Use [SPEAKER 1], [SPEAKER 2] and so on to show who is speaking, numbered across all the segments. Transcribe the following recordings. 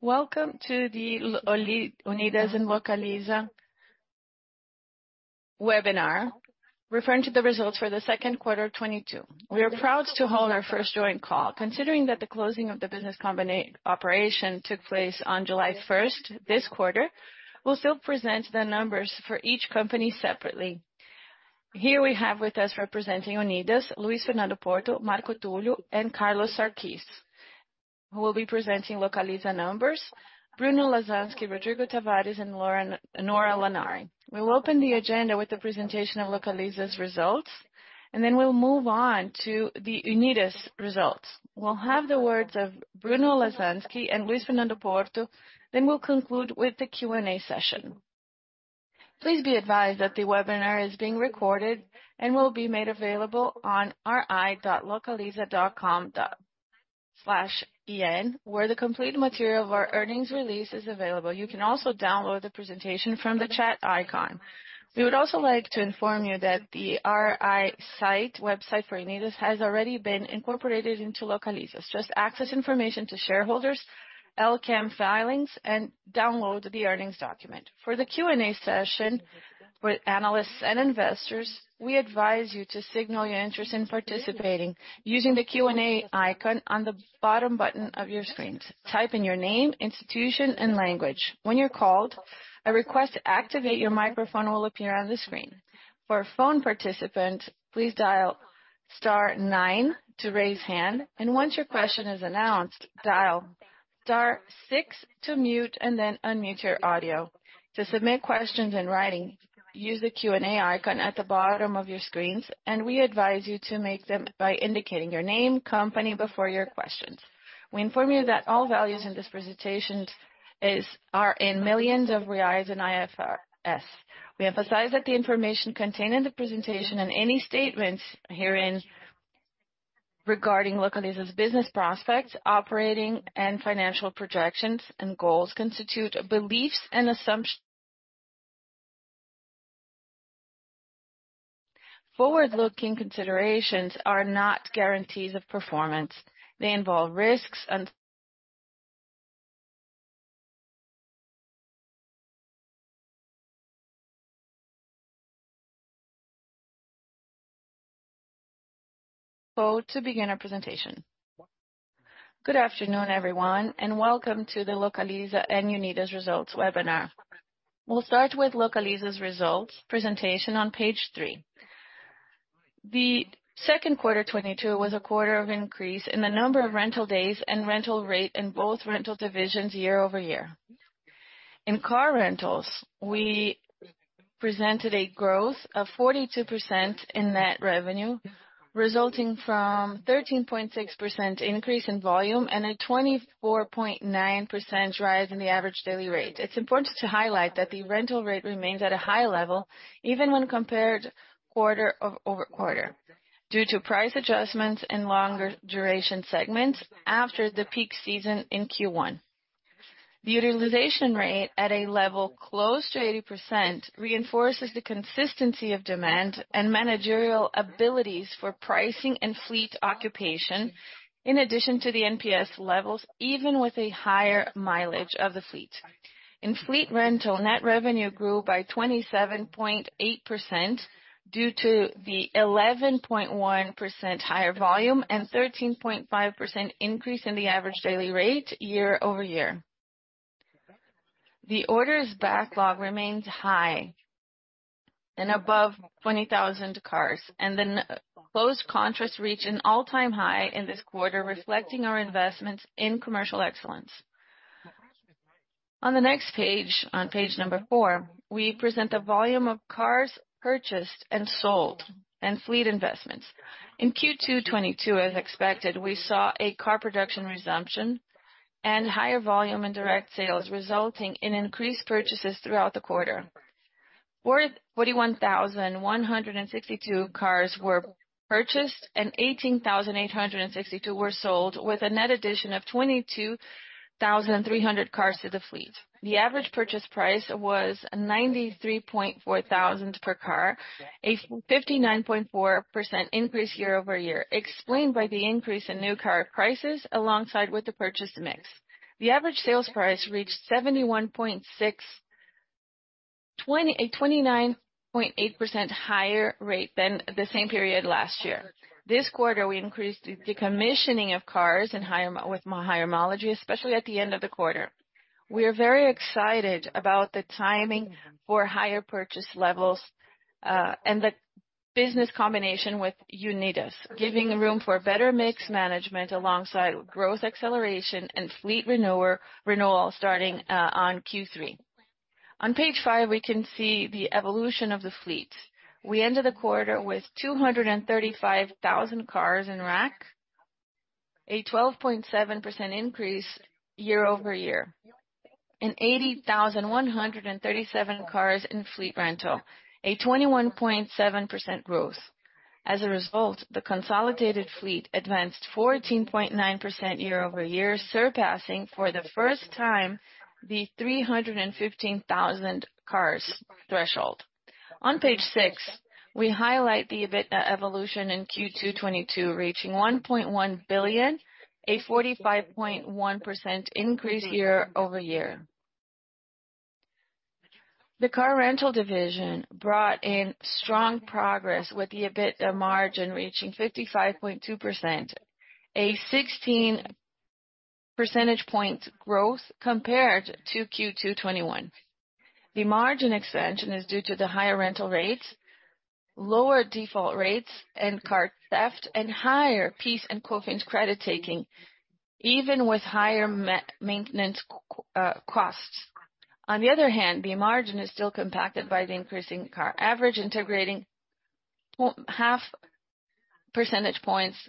[SPEAKER 1] Welcome to the Localiza-Unidas webinar, referring to the results for the second quarter of 2022. We are proud to hold our first joint call. Considering that the closing of the business combination operation took place on July first, this quarter, we'll still present the numbers for each company separately. Here we have with us representing Unidas, Luis Fernando Porto, Marco Túlio de Oliveira, and Carlos Sarquis, who will be presenting Localiza numbers. Bruno Lasansky, Rodrigo Tavares, and Nora Lanari. We will open the agenda with the presentation of Localiza's results, and then we'll move on to the Unidas results. We'll have the words of Bruno Lasansky and Luis Fernando Porto, then we'll conclude with the Q&A session. Please be advised that the webinar is being recorded and will be made available on ri.localiza.com/en, where the complete material of our earnings release is available. You can also download the presentation from the chat icon. We would also like to inform you that the RI website for Unidas has already been incorporated into Localiza's. Just access information for shareholders, LCAM filings, and download the earnings document. For the Q&A session with analysts and investors, we advise you to signal your interest in participating using the Q&A icon on the bottom button of your screens. Type in your name, institution, and language. When you're called, a request to activate your microphone will appear on the screen. For phone participants, please dial star nine to raise hand, and once your question is announced, dial star six to mute and then unmute your audio. To submit questions in writing, use the Q&A icon at the bottom of your screens, and we advise you to make them by indicating your name, company before your questions. We inform you that all values in this presentation are in millions of reais and IFRS. We emphasize that the information contained in the presentation and any statements herein regarding Localiza's business prospects, operating, and financial projections and goals constitute beliefs and assumptions. Forward-looking considerations are not guarantees of performance. They involve risks. Now to begin our presentation. Good afternoon, everyone, and welcome to the Localiza and Unidas results webinar. We'll start with Localiza's results presentation on page three. The second quarter 2022 was a quarter of increase in the number of rental days and rental rate in both rental divisions year-over-year. In car rentals, we presented a growth of 42% in net revenue, resulting from 13.6% increase in volume and a 24.9% rise in the average daily rate. It's important to highlight that the rental rate remains at a high level, even when compared quarter-over-quarter, due to price adjustments in longer duration segments after the peak season in Q1. The utilization rate at a level close to 80% reinforces the consistency of demand and managerial abilities for pricing and fleet occupation, in addition to the NPS levels, even with a higher mileage of the fleet. In fleet rental, net revenue grew by 27.8% due to the 11.1% higher volume and 13.5% increase in the average daily rate year-over-year. The orders backlog remains high and above 20,000 cars, and the closed contracts reach an all-time high in this quarter, reflecting our investments in commercial excellence. On the next page, on page number four, we present the volume of cars purchased and sold and fleet investments. In Q2 2022, as expected, we saw a car production resumption and higher volume in direct sales, resulting in increased purchases throughout the quarter. 41,162 cars were purchased and 18,862 were sold, with a net addition of 22,300 cars to the fleet. The average purchase price was 93.4 thousand per car, a 59.4% increase year-over-year, explained by the increase in new car prices alongside with the purchase mix. The average sales price reached 71.6, a 29.8% higher rate than the same period last year. This quarter, we increased the decommissioning of cars with higher mileage, especially at the end of the quarter. We are very excited about the timing for higher purchase levels and the business combination with Unidas, giving room for better mix management alongside growth acceleration and fleet renewal starting on Q3. On page five, we can see the evolution of the fleet. We ended the quarter with 235,000 cars in RAC, a 12.7% increase year-over-year, and 80,137 cars in fleet rental, a 21.7% growth. As a result, the consolidated fleet advanced 14.9% year-over-year, surpassing for the first time the 315,000 cars threshold. On page six, we highlight the EBITDA evolution in Q2 2022, reaching 1.1 billion, a 45.1% increase year-over-year. The car rental division brought in strong progress with the EBITDA margin reaching 55.2%, a 16 percentage points growth compared to Q2 2021. The margin expansion is due to the higher rental rates, lower default rates and car theft, and higher PIS and COFINS credit taking, even with higher maintenance costs. On the other hand, the margin is still compacted by the increasing car average utilization 2.5 percentage points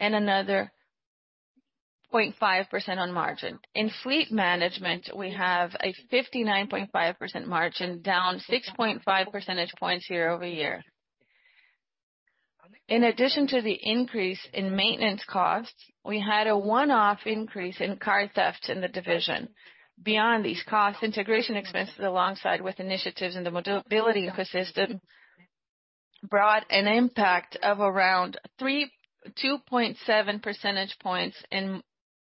[SPEAKER 1] and another 0.5% on margin. In fleet management, we have a 59.5% margin, down 6.5 percentage points year-over-year. In addition to the increase in maintenance costs, we had a one-off increase in car theft in the division. Beyond these costs, integration expenses alongside with initiatives in the mobility ecosystem brought an impact of around 2.7 percentage points in fleet rental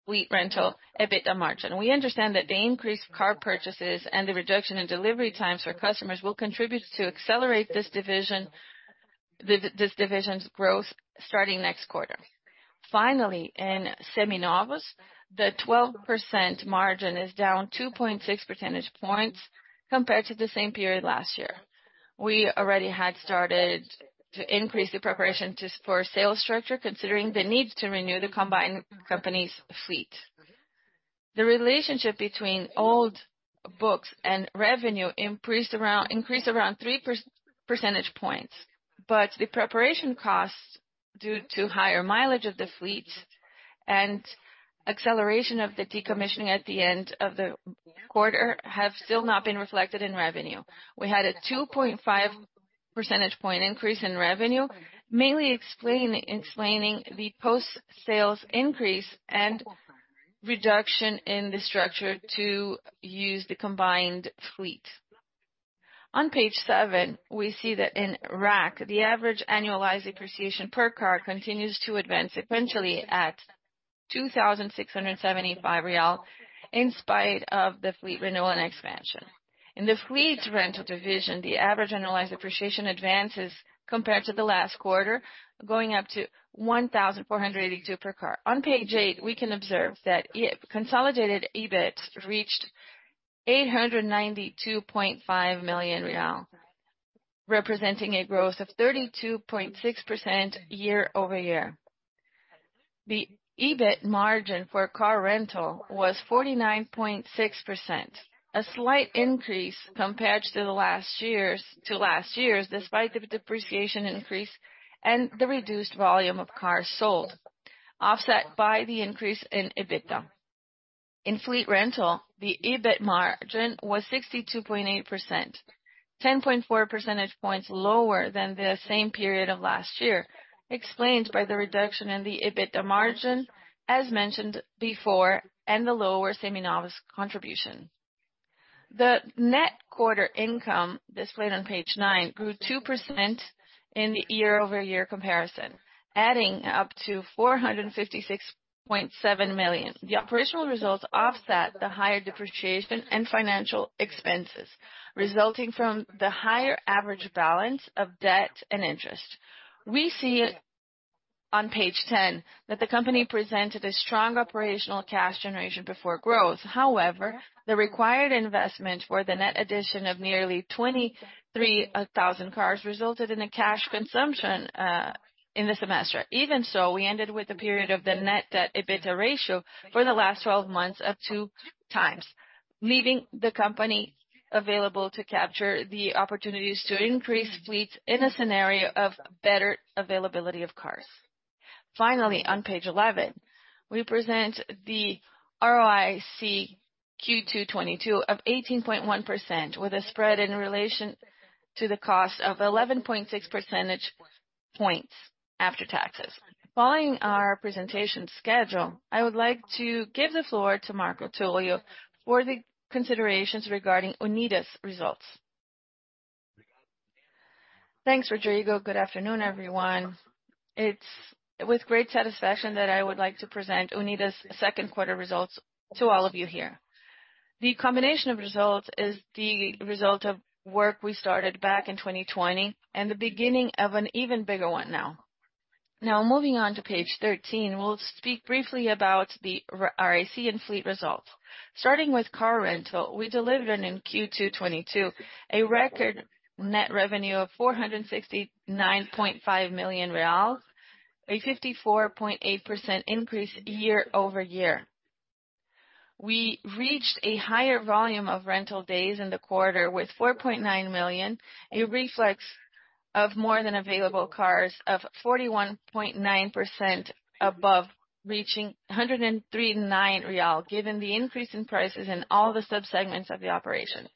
[SPEAKER 1] EBITDA margin. We understand that the increased car purchases and the reduction in delivery times for customers will contribute to accelerate this division's growth starting next quarter. Finally, in Seminovos, the 12% margin is down 2.6 percentage points compared to the same period last year. We already had started to increase the preparation for sales structure, considering the need to renew the combined company's fleet. The relationship between old books and revenue increased around three percentage points. The preparation costs due to higher mileage of the fleet and acceleration of the decommissioning at the end of the quarter have still not been reflected in revenue. We had a 2.5 percentage point increase in revenue, mainly explaining the post-sales increase and reduction in the structure to use the combined fleet. On page seven, we see that in RAC, the average annualized depreciation per car continues to advance sequentially at 2,675 real, in spite of the fleet renewal and expansion. In the fleet rental division, the average annualized depreciation advances compared to the last quarter, going up to 1,482 per car. On page eight, we can observe that consolidated EBIT reached 892.5 million real, representing a growth of 32.6% year-over-year. The EBIT margin for car rental was 49.6%, a slight increase compared to last year's, despite the depreciation increase and the reduced volume of cars sold, offset by the increase in EBITDA. In fleet rental, the EBIT margin was 62.8%, 10.4 percentage points lower than the same period of last year, explained by the reduction in the EBITDA margin as mentioned before and the lower Seminovos contribution. The net quarterly income displayed on page nine grew 2% in the year-over-year comparison, adding up to 456.7 million. The operational results offset the higher depreciation and financial expenses resulting from the higher average balance of debt and interest. We see on page ten that the company presented a strong operational cash generation before growth. However, the required investment for the net addition of nearly 23,000 cars resulted in a cash consumption in the semester. Even so, we ended the period with the net debt EBITDA ratio for the last twelve months up 2x, leaving the company available to capture the opportunities to increase fleets in a scenario of better availability of cars. Finally, on page 11, we present the ROIC Q2 2022 of 18.1%, with a spread in relation to the cost of 11.6 percentage points after taxes. Following our presentation schedule, I would like to give the floor to Marco Túlio for the considerations regarding Unidas results.
[SPEAKER 2] Thanks, Rodrigo. Good afternoon, everyone. It's with great satisfaction that I would like to present Unidas' second quarter results to all of you here. The combination of results is the result of work we started back in 2020, and the beginning of an even bigger one now. Moving on to page 13, we'll speak briefly about the RAC and fleet results. Starting with car rental, we delivered in Q2 2022 a record net revenue of 469.5 million reais, a 54.8% increase year-over-year. We reached a higher volume of rental days in the quarter with 4.9 million, a reflection of more cars available, 41.9% above, reaching 103.9 real, given the increase in prices in all the sub-segments of the operation.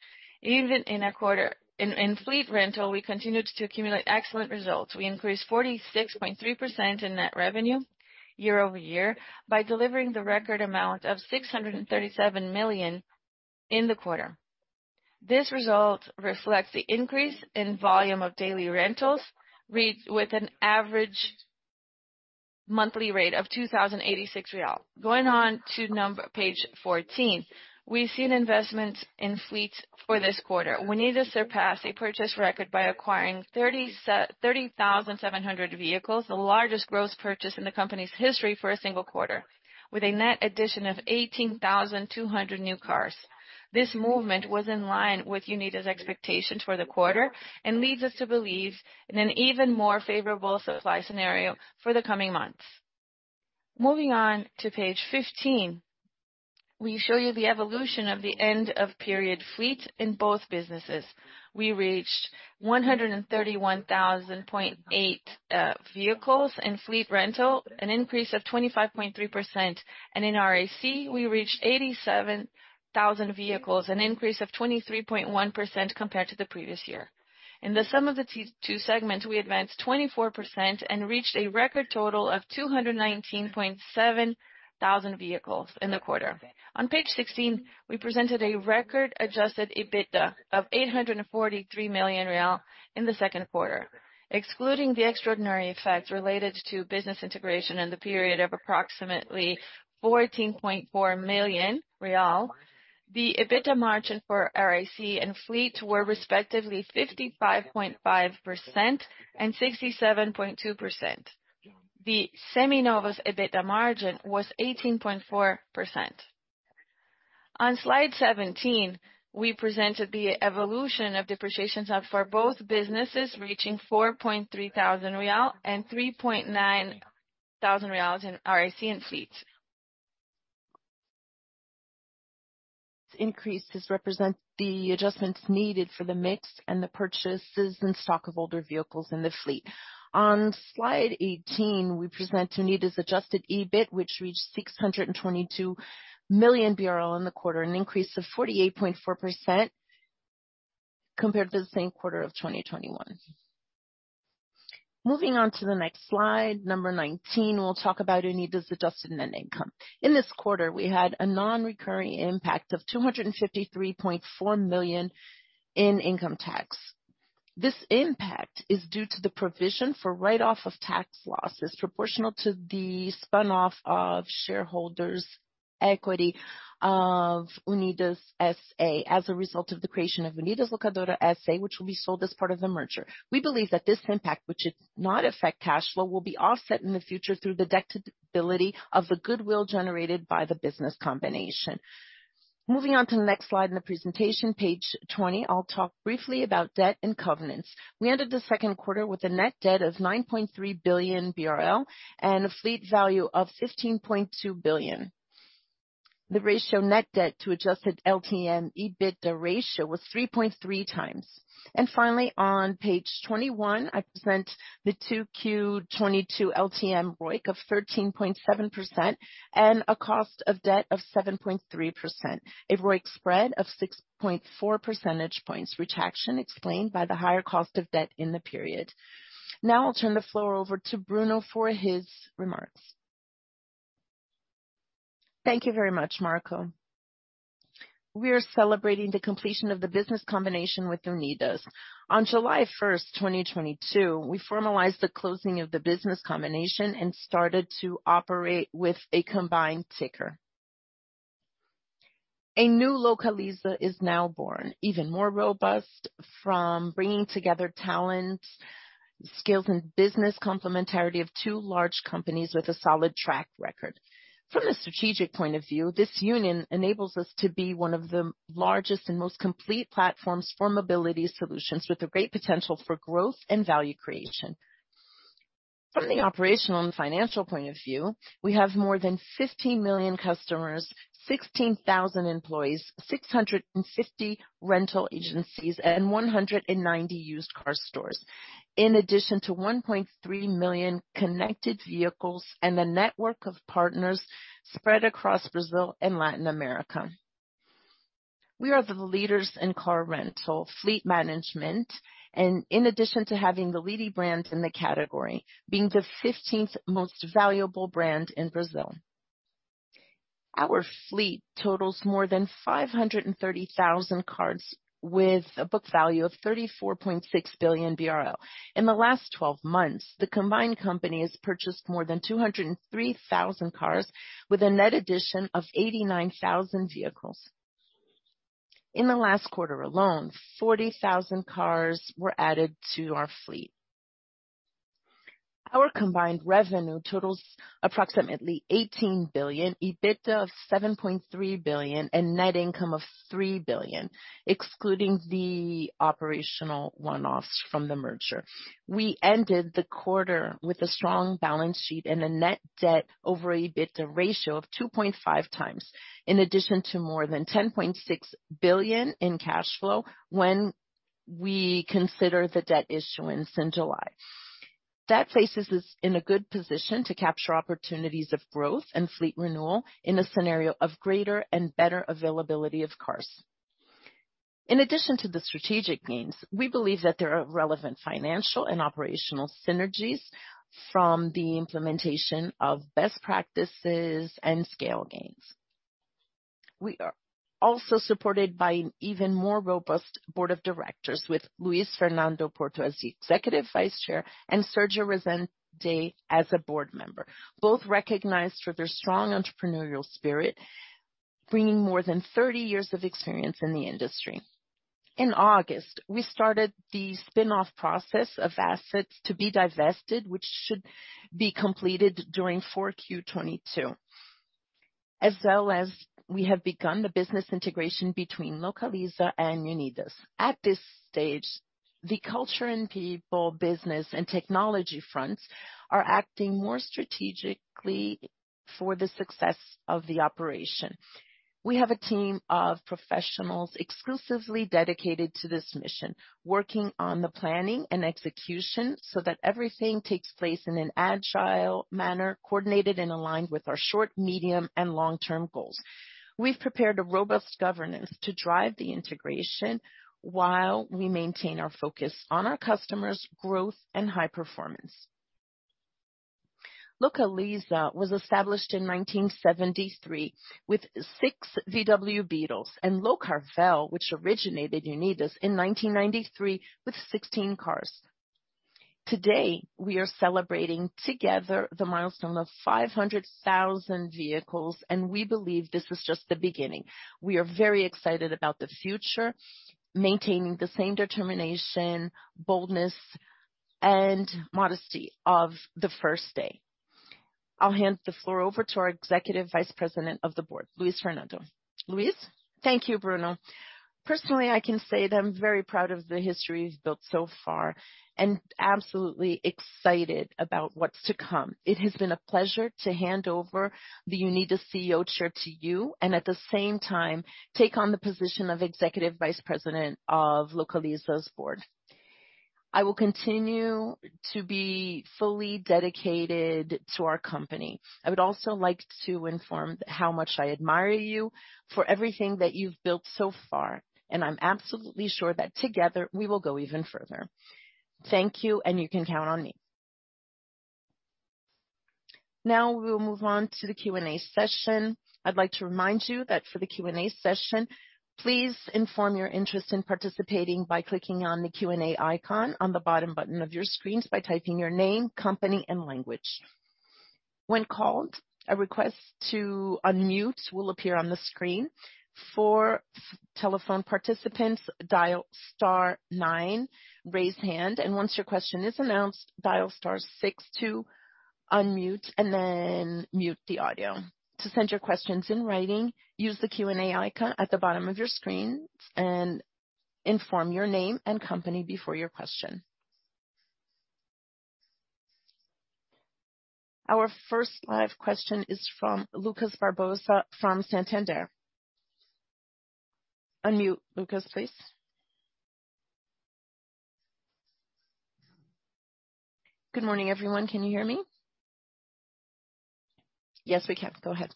[SPEAKER 2] In fleet rental, we continued to accumulate excellent results. We increased 46.3% in net revenue year-over-year by delivering the record amount of 637 million in the quarter. This result reflects the increase in volume of daily rentals with an average monthly rate of 2,086 real. Going on to page 14. We've seen investments in fleets for this quarter. Unidas surpassed a purchase record by acquiring 30,700 vehicles, the largest gross purchase in the company's history for a single quarter, with a net addition of 18,200 new cars. This movement was in line with Unidas expectations for the quarter, and leads us to believe in an even more favorable supply scenario for the coming months. Moving on to page 15, we show you the evolution of the end of period fleet in both businesses. We reached 131.8 thousand vehicles in fleet rental, an increase of 25.3%. In RAC we reached 87 thousand vehicles, an increase of 23.1% compared to the previous year. In the sum of the two segments, we advanced 24% and reached a record total of 219.7 thousand vehicles in the quarter. On page 16, we presented a record adjusted EBITDA of 843 million real in the second quarter. Excluding the extraordinary effects related to business integration in the period of approximately 14.4 million real, the EBITDA margin for RAC and fleet were respectively 55.5% and 67.2%. The Seminovos' EBITDA margin was 18.4%. On slide 17, we presented the evolution of depreciation cost for both businesses, reaching 4.3 thousand real and 3.9 thousand real in RAC and fleet. These increases represent the adjustments needed for the mix and the purchases and stock of older vehicles in the fleet. On slide 18, we present Unidas adjusted EBIT, which reached 622 million in the quarter, an increase of 48.4% compared to the same quarter of 2021. Moving on to the next slide, number 19, we'll talk about Unidas adjusted net income. In this quarter, we had a non-recurring impact of 253.4 million in income tax. This impact is due to the provision for write-off of tax losses proportional to the spin-off of shareholders equity of Unidas S.A., as a result of the creation of Unidas Locadora S.A., which will be sold as part of the merger. We believe that this impact, which does not affect cash flow, will be offset in the future through the deductibility of the goodwill generated by the business combination. Moving on to the next slide in the presentation, page 20, I'll talk briefly about debt and covenants. We ended the second quarter with a net debt of 9.3 billion BRL and a fleet value of 15.2 billion. The net debt to adjusted LTM EBITDA ratio was 3.3x. Finally, on page 21, I present the 2Q 2022 LTM ROIC of 13.7% and a cost of debt of 7.3%. A ROIC spread of 6.4 percentage points. Reduction explained by the higher cost of debt in the period. Now I'll turn the floor over to Bruno for his remarks.
[SPEAKER 3] Thank you very much, Marco. We are celebrating the completion of the business combination with Unidas. On July 1st, 2022, we formalized the closing of the business combination and started to operate with a combined ticker. A new Localiza is now born, even more robust from bringing together talent, skills, and business complementarity of two large companies with a solid track record. From the strategic point of view, this union enables us to be one of the largest and most complete platforms for mobility solutions with a great potential for growth and value creation. From the operational and financial point of view, we have more than 15 million customers, 16,000 employees, 650 rental agencies, and 190 used car stores. In addition to 1.3 million connected vehicles and a network of partners spread across Brazil and Latin America. We are the leaders in car rental fleet management, and in addition to having the leading brands in the category, being the 15th most valuable brand in Brazil. Our fleet totals more than 530,000 cars with a book value of 34.6 billion BRL. In the last twelve months, the combined company has purchased more than 203,000 cars with a net addition of 89,000 vehicles. In the last quarter alone, 40,000 cars were added to our fleet. Our combined revenue totals approximately 18 billion, EBITDA of 7.3 billion, and net income of 3 billion, excluding the operational one-offs from the merger. We ended the quarter with a strong balance sheet and a net debt over EBITDA ratio of 2.5x, in addition to more than 10.6 billion in cash flow when we consider the debt issuance in July. That places us in a good position to capture opportunities of growth and fleet renewal in a scenario of greater and better availability of cars. In addition to the strategic gains, we believe that there are relevant financial and operational synergies from the implementation of best practices and scale gains. We are also supported by an even more robust board of directors with Luis Fernando Porto as the Executive Vice Chair and Sérgio Augusto Guerra de Resende as a board member, both recognized for their strong entrepreneurial spirit, bringing more than 30 years of experience in the industry. In August, we started the spin-off process of assets to be divested, which should be completed during 4Q 2022. As well, we have begun the business integration between Localiza and Unidas. At this stage, the culture and people, business and technology fronts are acting more strategically for the success of the operation. We have a team of professionals exclusively dedicated to this mission, working on the planning and execution so that everything takes place in an agile manner, coordinated and aligned with our short, medium, and long-term goals. We've prepared a robust governance to drive the integration while we maintain our focus on our customers, growth, and high performance. Localiza was established in 1973 with six VW Beetles and Locarvel, which originated Unidas in 1993 with 16 cars. Today, we are celebrating together the milestone of 500,000 vehicles, and we believe this is just the beginning. We are very excited about the future, maintaining the same determination, boldness, and modesty of the first day. I'll hand the floor over to our Executive Vice President of the Board, Luis Fernando Porto. Luis.
[SPEAKER 4] Thank you, Bruno Lasansky. Personally, I can say that I'm very proud of the history you've built so far and absolutely excited about what's to come. It has been a pleasure to hand over the Unidas CEO chair to you and at the same time take on the position of Executive Vice President of Localiza's board. I will continue to be fully dedicated to our company. I would also like to inform how much I admire you for everything that you've built so far, and I'm absolutely sure that together we will go even further.
[SPEAKER 3] Thank you, and you can count on me. Now we will move on to the Q&A session. I'd like to remind you that for the Q&A session, please inform your interest in participating by clicking on the Q&A icon on the bottom button of your screens by typing your name, company, and language. When called, a request to unmute will appear on the screen. For telephone participants, dial star nine, raise hand, and once your question is announced, dial star six to unmute and then mute the audio. To send your questions in writing, use the Q&A icon at the bottom of your screen and inform your name and company before your question. Our first live question is from Lucas Marquiori from Santander. Unmute, Lucas, please. Good morning, everyone. Can you hear me? Yes, we can. Go ahead.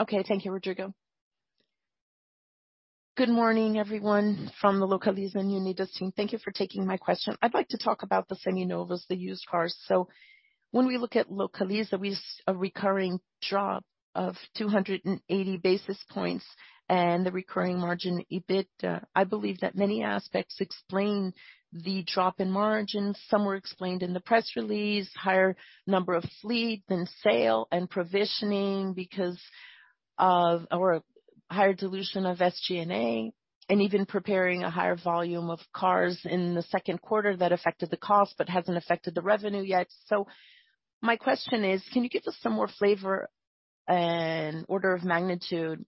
[SPEAKER 3] Okay. Thank you, Rodrigo.
[SPEAKER 5] Good morning, everyone from the Localiza and Unidas team. Thank you for taking my question. I'd like to talk about the Seminovos, the used cars. When we look at Localiza, we see a recurring drop of 280 basis points in the recurring margin, EBITDA. I believe that many aspects explain the drop in margin. Some were explained in the press release, higher number of fleet than sales and provisioning, or higher dilution of SG&A, and even preparing a higher volume of cars in the second quarter that affected the cost but hasn't affected the revenue yet. My question is: Can you give us some more flavor and order of magnitude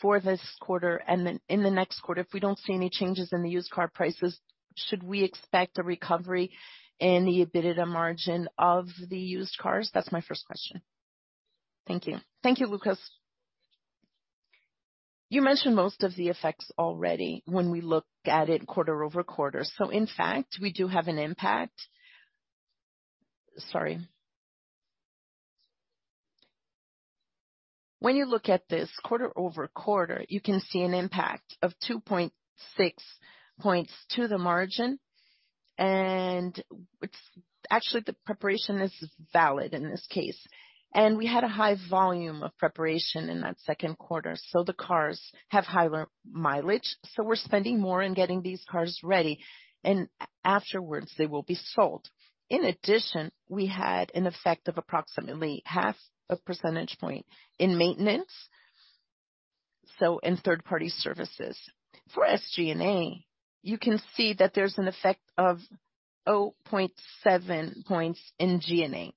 [SPEAKER 5] for this quarter and then in the next quarter? If we don't see any changes in the used car prices, should we expect a recovery in the EBITDA margin of the used cars?
[SPEAKER 3] That's my first question. Thank you. Thank you, Lucas. You mentioned most of the effects already when we look at it quarter-over-quarter. In fact, we do have an impact. Sorry. When you look at this quarter-over-quarter, you can see an impact of 2.6 points to the margin. Actually, the preparation is valid in this case. We had a high volume of preparation in that second quarter, so the cars have higher mileage, so we're spending more in getting these cars ready, and afterwards, they will be sold. In addition, we had an effect of approximately half a percentage point in maintenance, so in third-party services. For SG&A, you can see that there's an effect of 0.7 points in G&A.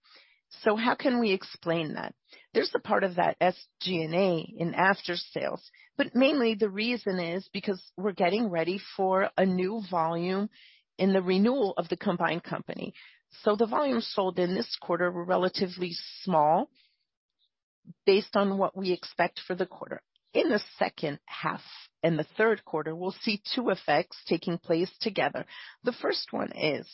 [SPEAKER 3] How can we explain that? There's the part of that SG&A in after-sales, but mainly the reason is because we're getting ready for a new volume in the renewal of the combined company. The volumes sold in this quarter were relatively small based on what we expect for the quarter. In the second half and the third quarter, we'll see two effects taking place together. The first one is,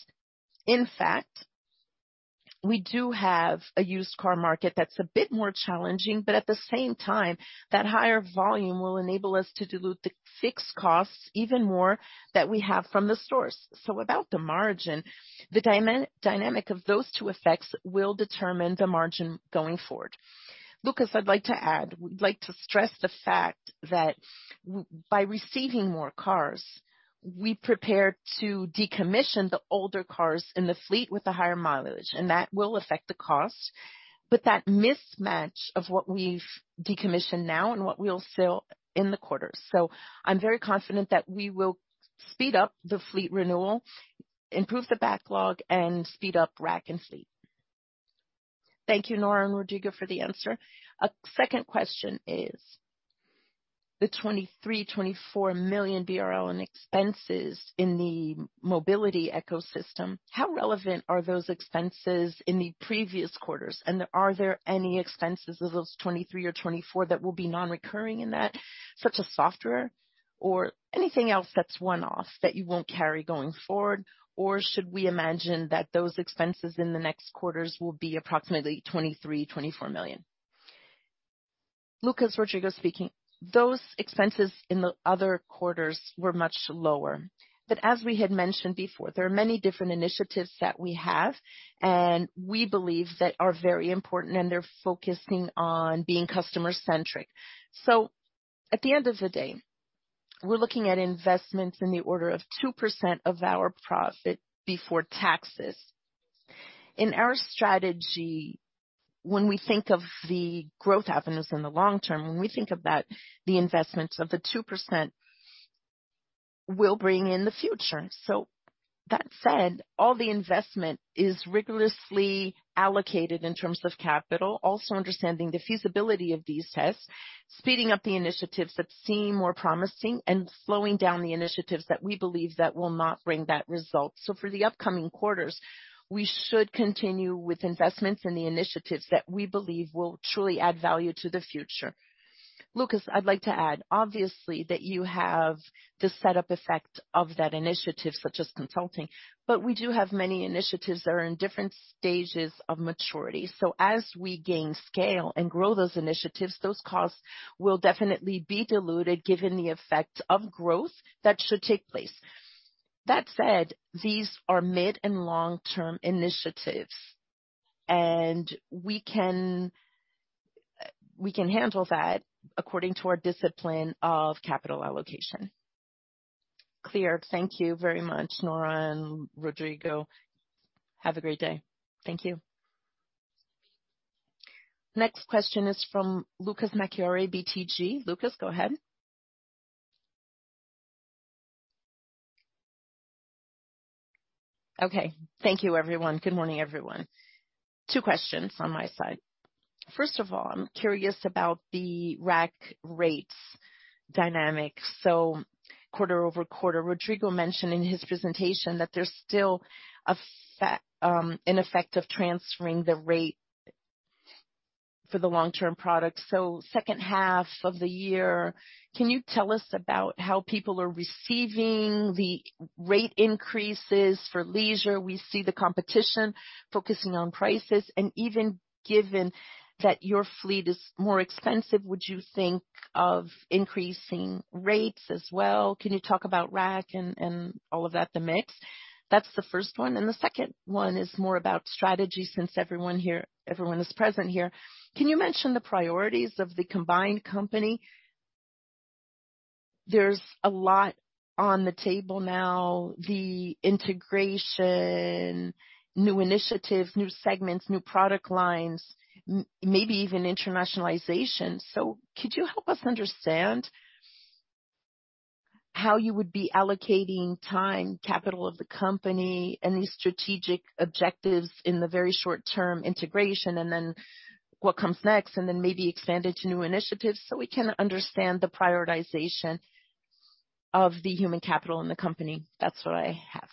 [SPEAKER 3] we do have a used car market that's a bit more challenging, but at the same time, that higher volume will enable us to dilute the fixed costs even more that we have from the stores. Without the margin, the dynamic of those two effects will determine the margin going forward. Lucas, I'd like to add, we'd like to stress the fact that by receiving more cars, we prepare to decommission the older cars in the fleet with the higher mileage, and that will affect the cost. That mismatch of what we've decommissioned now and what we'll sell in the quarter. I'm very confident that we will speed up the fleet renewal, improve the backlog, and speed up RAC and fleet. Thank you, Nora and Rodrigo, for the answer. A second question is the 23 million-24 million BRL in expenses in the mobility ecosystem. How relevant are those expenses in the previous quarters? Are there any expenses of those 23 or 24 that will be non-recurring in that, such as software or anything else that's one-off that you won't carry going forward?
[SPEAKER 5] Should we imagine that those expenses in the next quarters will be approximately 23 million-24 million?
[SPEAKER 1] Lucas, Rodrigo speaking. Those expenses in the other quarters were much lower. As we had mentioned before, there are many different initiatives that we have and we believe that are very important, and they're focusing on being customer-centric. At the end of the day, we're looking at investments in the order of 2% of our profit before taxes. In our strategy, when we think of the growth avenues in the long term, when we think about the investments of the 2% will bring in the future. That said, all the investment is rigorously allocated in terms of capital. Also understanding the feasibility of these tests, speeding up the initiatives that seem more promising and slowing down the initiatives that we believe that will not bring that result.
[SPEAKER 3] For the upcoming quarters, we should continue with investments in the initiatives that we believe will truly add value to the future. Lucas, I'd like to add, obviously, that you have the setup effect of that initiative, such as consulting. We do have many initiatives that are in different stages of maturity. As we gain scale and grow those initiatives, those costs will definitely be diluted given the effect of growth that should take place. That said, these are mid and long-term initiatives, and we can handle that according to our discipline of capital allocation. Clear. Thank you very much, Nora and Rodrigo. Have a great day. Thank you.
[SPEAKER 6] Next question is from Lucas Marquiori, BTG. Lucas, go ahead.
[SPEAKER 5] Okay. Thank you, everyone. Good morning, everyone. Two questions on my side. First of all, I'm curious about the RAC rates dynamic. Quarter over quarter, Rodrigo mentioned in his presentation that there's still an effect of transferring the rate for the long-term product. Second half of the year, can you tell us about how people are receiving the rate increases for leisure? We see the competition focusing on prices, and even given that your fleet is more expensive, would you think of increasing rates as well? Can you talk about RAC and all of that, the mix? That's the first one. The second one is more about strategy since everyone is present here. Can you mention the priorities of the combined company? There's a lot on the table now, the integration, new initiatives, new segments, new product lines, maybe even internationalization. Could you help us understand how you would be allocating time, capital of the company, and these strategic objectives in the very short term integration, and then what comes next, and then maybe expand it to new initiatives so we can understand the prioritization of the human capital in the company. That's what I have.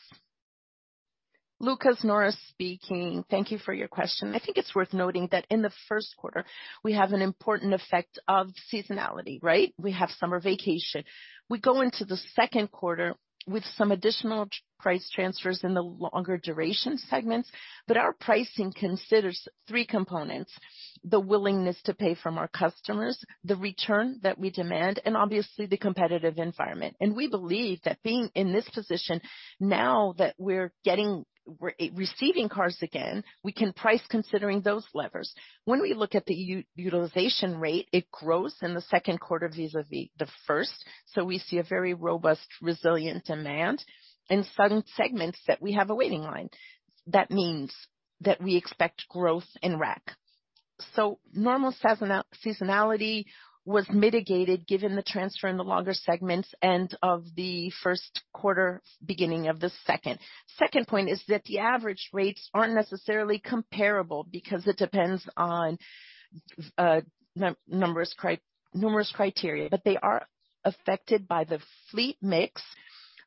[SPEAKER 6] Lucas Marquiori, Nora Lanari speaking. Thank you for your question. I think it's worth noting that in the first quarter we have an important effect of seasonality, right? We have summer vacation. We go into the second quarter with some additional price transfers in the longer duration segments. Our pricing considers three components: the willingness to pay from our customers, the return that we demand, and obviously the competitive environment. We believe that being in this position now that we're receiving cars again, we can price considering those levers. When we look at the utilization rate, it grows in the second quarter vis-à-vis the first. We see a very robust resilient demand in some segments that we have a waiting line. That means that we expect growth in RAC. Normal seasonality was mitigated given the transfer in the longer segments, end of the first quarter, beginning of the second. Second point is that the average rates aren't necessarily comparable because it depends on numerous criteria, but they are affected by the fleet mix,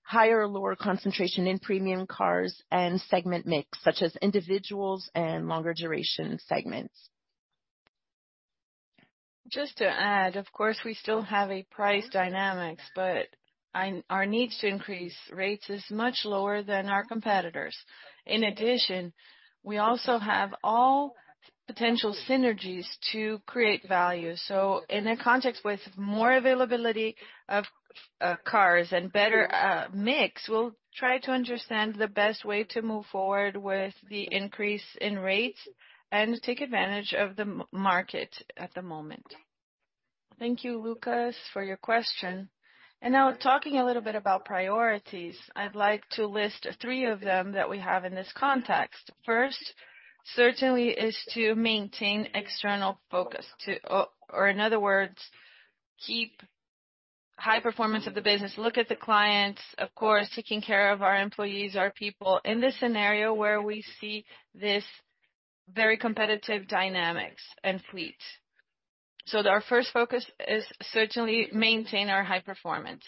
[SPEAKER 6] higher or lower concentration in premium cars and segment mix, such as individuals and longer duration segments. Just to add, of course, we still have a pricing dynamic, but our needs to increase rates is much lower than our competitors. In addition, we also have all potential synergies to create value. So, in a context with more availability of cars and better mix, we'll try to understand the best way to move forward with the increase in rates and take advantage of the market at the moment. Thank you, Lucas, for your question. Now talking a little bit about priorities, I'd like to list three of them that we have in this context. First, certainly is to maintain external focus. Or in other words, keep high performance of the business, look at the clients, of course, taking care of our employees, our people in this scenario where we see this very competitive dynamics and fleets. Our first focus is certainly maintain our high performance.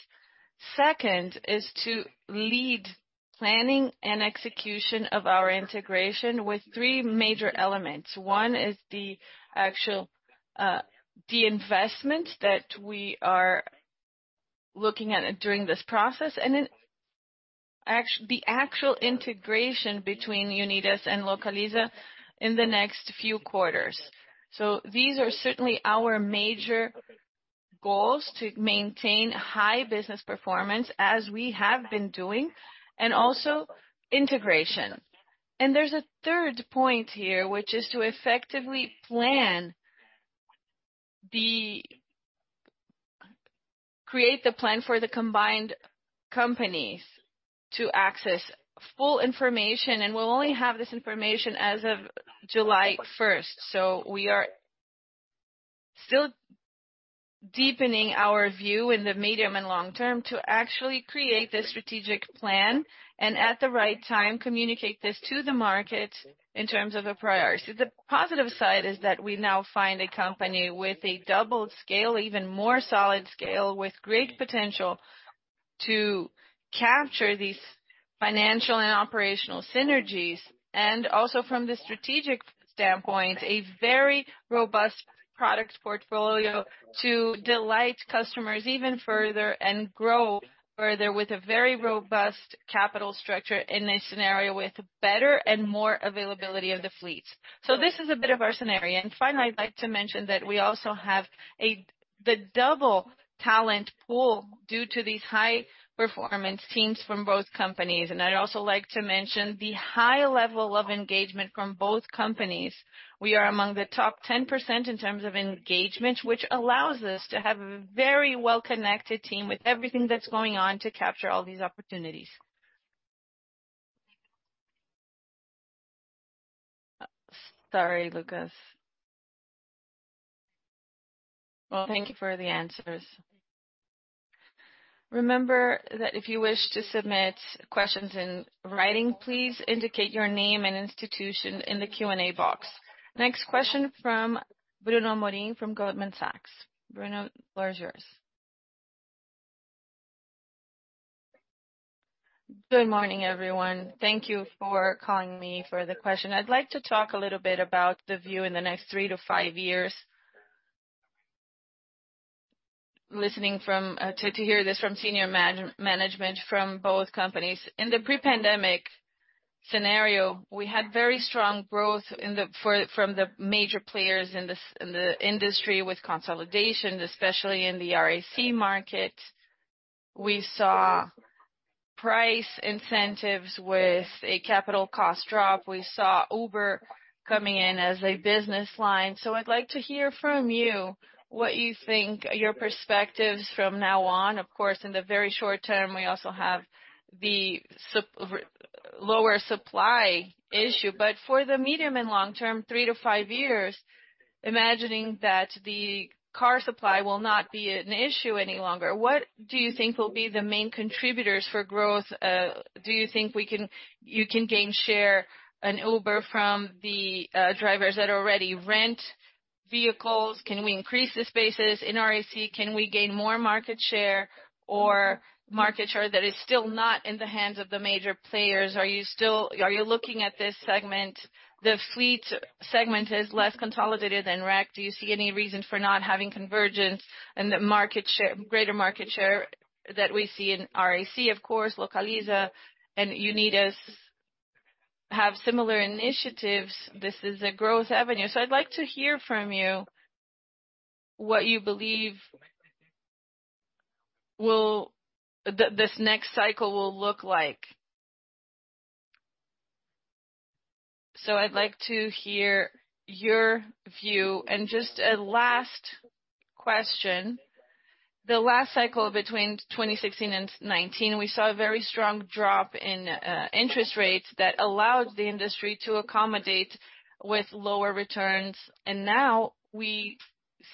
[SPEAKER 6] Second is to lead planning and execution of our integration with three major elements. One is the actual, the investment that we are looking at during this process. Then the actual integration between Unidas and Localiza in the next few quarters. These are certainly our major goals to maintain high business performance as we have been doing, and also integration. There's a third point here, which is to effectively create the plan for the combined companies to access full information. We'll only have this information as of July 1st. We are still deepening our view in the medium and long term to actually create the strategic plan, and at the right time, communicate this to the market in terms of a priority. The positive side is that we now find a company with a double scale, even more solid scale, with great potential to capture these financial and operational synergies. Also from the strategic standpoint, a very robust product portfolio to delight customers even further and grow further with a very robust capital structure in a scenario with better and more availability of the fleets. This is a bit of our scenario. Finally, I'd like to mention that we also have the double talent pool due to these high-performance teams from both companies. I'd also like to mention the high level of engagement from both companies. We are among the top 10% in terms of engagement, which allows us to have a very well-connected team with everything that's going on to capture all these opportunities. Sorry, Lucas. Well, thank you for the answers. Remember that if you wish to submit questions in writing, please indicate your name and institution in the Q&A box. Next question from Bruno Amorim from Goldman Sachs. Bruno, the floor is yours.
[SPEAKER 7] Good morning, everyone. Thank you for calling me for the question. I'd like to talk a little bit about the view in the next three to five years. Listening from to hear this from senior management from both companies. In the pre-pandemic scenario, we had very strong growth from the major players in the industry with consolidation, especially in the RAC market. We saw price incentives with a capital cost drop. We saw Uber coming in as a business line. I'd like to hear from you what you think are your perspectives from now on. Of course, in the very short term, we also have the lower supply issue. For the medium and long term, three to five years, imagining that the car supply will not be an issue any longer, what do you think will be the main contributors for growth? Do you think you can gain share in Uber from the drivers that already rent vehicles? Can we increase the share in RAC? Can we gain more market share or market share that is still not in the hands of the major players? Are you looking at this segment? The fleet segment is less consolidated than RAC. Do you see any reason for not having convergence in the greater market share that we see in RAC? Of course, Localiza and Unidas have similar initiatives. This is a growth avenue. I'd like to hear from you what you believe this next cycle will look like. I'd like to hear your view. Just a last question. The last cycle between 2016 and 2019, we saw a very strong drop in interest rates that allowed the industry to accommodate with lower returns. Now we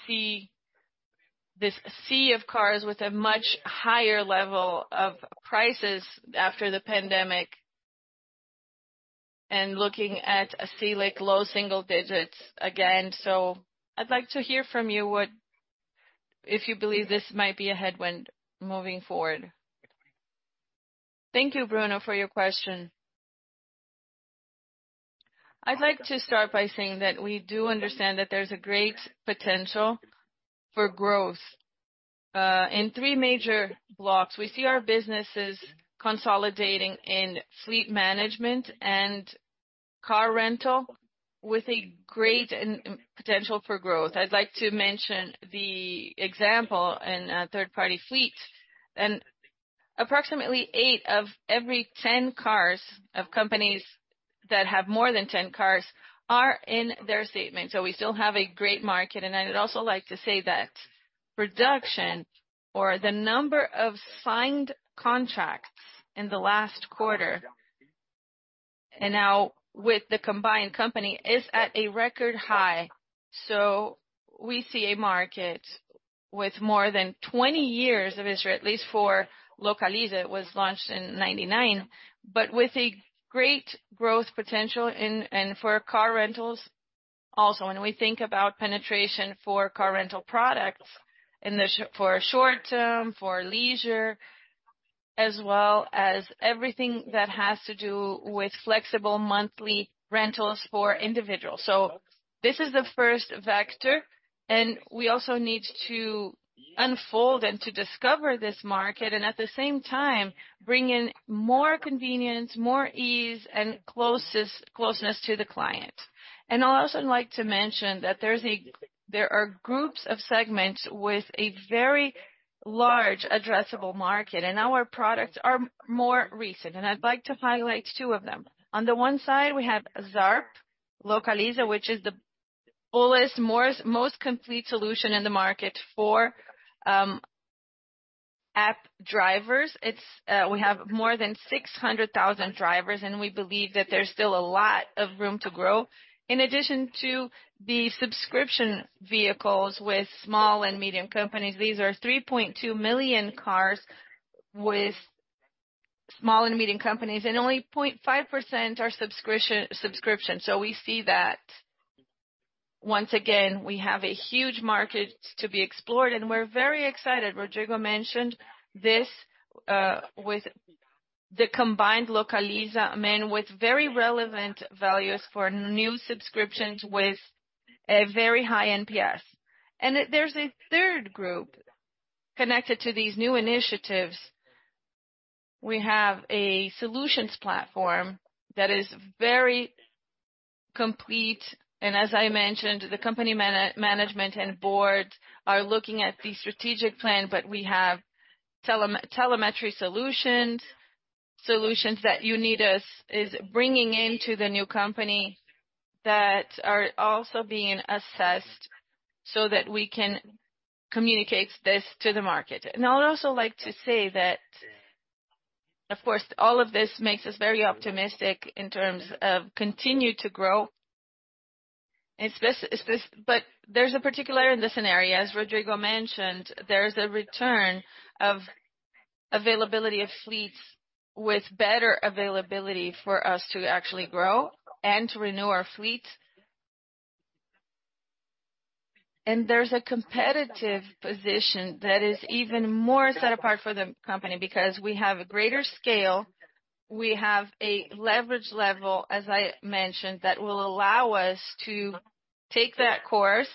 [SPEAKER 7] see this sea of cars with a much higher level of prices after the pandemic, and looking at a cycle like low single digits again. I'd like to hear from you if you believe this might be a headwind moving forward.
[SPEAKER 6] Thank you, Bruno, for your question. I'd like to start by saying that we do understand that there's a great potential for growth in three major blocks. We see our businesses consolidating in fleet management and car rental with a great potential for growth. I'd like to mention the example in third-party fleets and approximately eight of every 10 cars of companies that have more than 10 cars are in their segment. We still have a great market. I'd also like to say that production or the number of signed contracts in the last quarter and now with the combined company is at a record high. We see a market with more than 20 years of history, at least for Localiza. It was launched in 1999, but with a great growth potential and for car rentals also. We think about penetration for car rental products for short-term, for leisure, as well as everything that has to do with flexible monthly rentals for individuals. This is the first factor, and we also need to unfold and to discover this market and at the same time bring in more convenience, more ease and closeness to the client. I'd also like to mention that there are groups of segments with a very large addressable market, and our products are more recent. I'd like to highlight 2 of them. On the one side, we have Zarp Localiza, which is the fullest, most complete solution in the market for app drivers. It's we have more than 600,000 drivers, and we believe that there's still a lot of room to grow. In addition to the subscription vehicles with small and medium companies, these are 3.2 million cars with small and medium companies, and only 0.5% are subscription. We see that once again, we have a huge market to be explored and we're very excited. Rodrigo mentioned this, with the combined Localiza, I mean, with very relevant values for new subscriptions, with a very high NPS. There's a third group connected to these new initiatives. We have a solutions platform that is very complete, and as I mentioned, the company management and board are looking at the strategic plan. We have telemetry solutions that Unidas is bringing into the new company that are also being assessed so that we can communicate this to the market. I'd also like to say that, of course, all of this makes us very optimistic in terms of continue to grow. There's particularly in the scenario, as Rodrigo mentioned, there's a return of availability of fleets with better availability for us to actually grow and to renew our fleet. There's a competitive position that is even more set apart for the company because we have a greater scale. We have a leverage level, as I mentioned, that will allow us to take that course.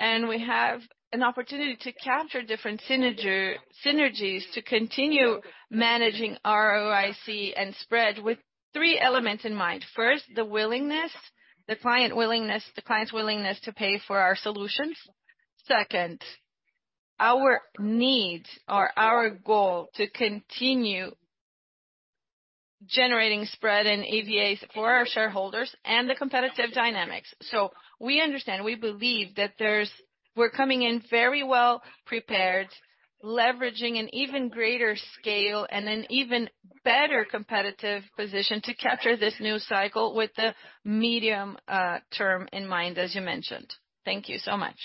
[SPEAKER 6] We have an opportunity to capture different synergies to continue managing ROIC and spread with three elements in mind. First, the client's willingness to pay for our solutions. Second, our goal to continue generating spread and EVAs for our shareholders and the competitive dynamics. We understand, we believe that we're coming in very well prepared, leveraging an even greater scale and an even better competitive position to capture this new cycle with the medium term in mind, as you mentioned. Thank you so much.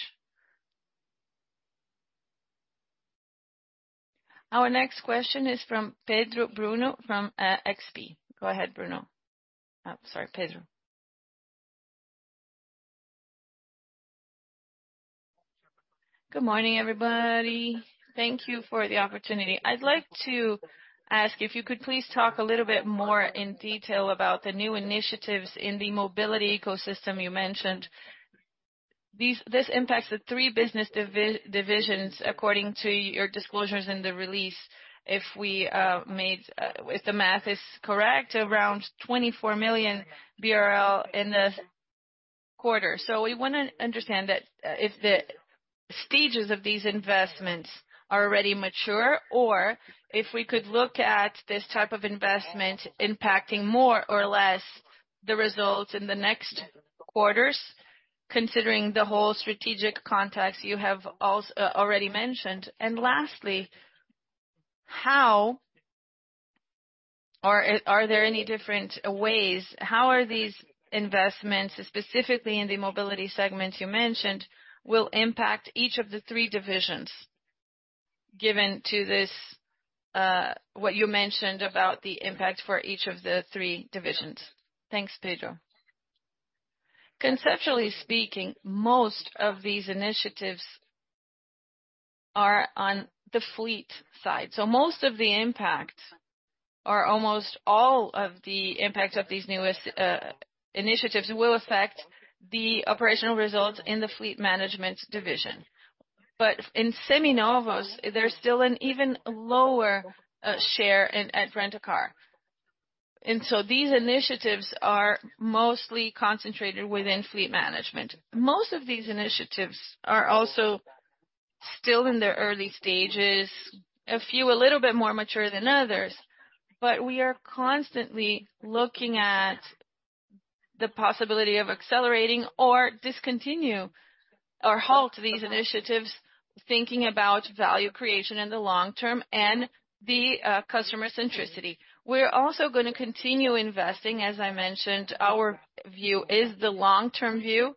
[SPEAKER 6] Our next question is from Pedro Bruno from XP. Go ahead, Bruno. Sorry, Pedro.
[SPEAKER 8] Good morning, everybody. Thank you for the opportunity. I'd like to ask if you could please talk a little bit more in detail about the new initiatives in the mobility ecosystem you mentioned. This impacts the three business divisions according to your disclosures in the release. If the math is correct, around 24 million BRL in the quarter. We wanna understand that, if the stages of these investments are already mature or if we could look at this type of investment impacting more or less the results in the next quarters, considering the whole strategic context you have already mentioned. Lastly, how or are there any different ways, how are these investments, specifically in the mobility segment you mentioned, will impact each of the three divisions given to this, what you mentioned about the impact for each of the three divisions?
[SPEAKER 3] Thanks, Pedro. Conceptually speaking, most of these initiatives are on the fleet side. Most of the impact, or almost all of the impact of these newest initiatives will affect the operational results in the fleet management division. In Seminovos, there's still an even lower share at Rent-A-Car. These initiatives are mostly concentrated within fleet management. Most of these initiatives are also still in their early stages, a few a little bit more mature than others. We are constantly looking at the possibility of accelerating or discontinue or halt these initiatives, thinking about value creation in the long term and the customer centricity. We're also gonna continue investing. As I mentioned, our view is the long-term view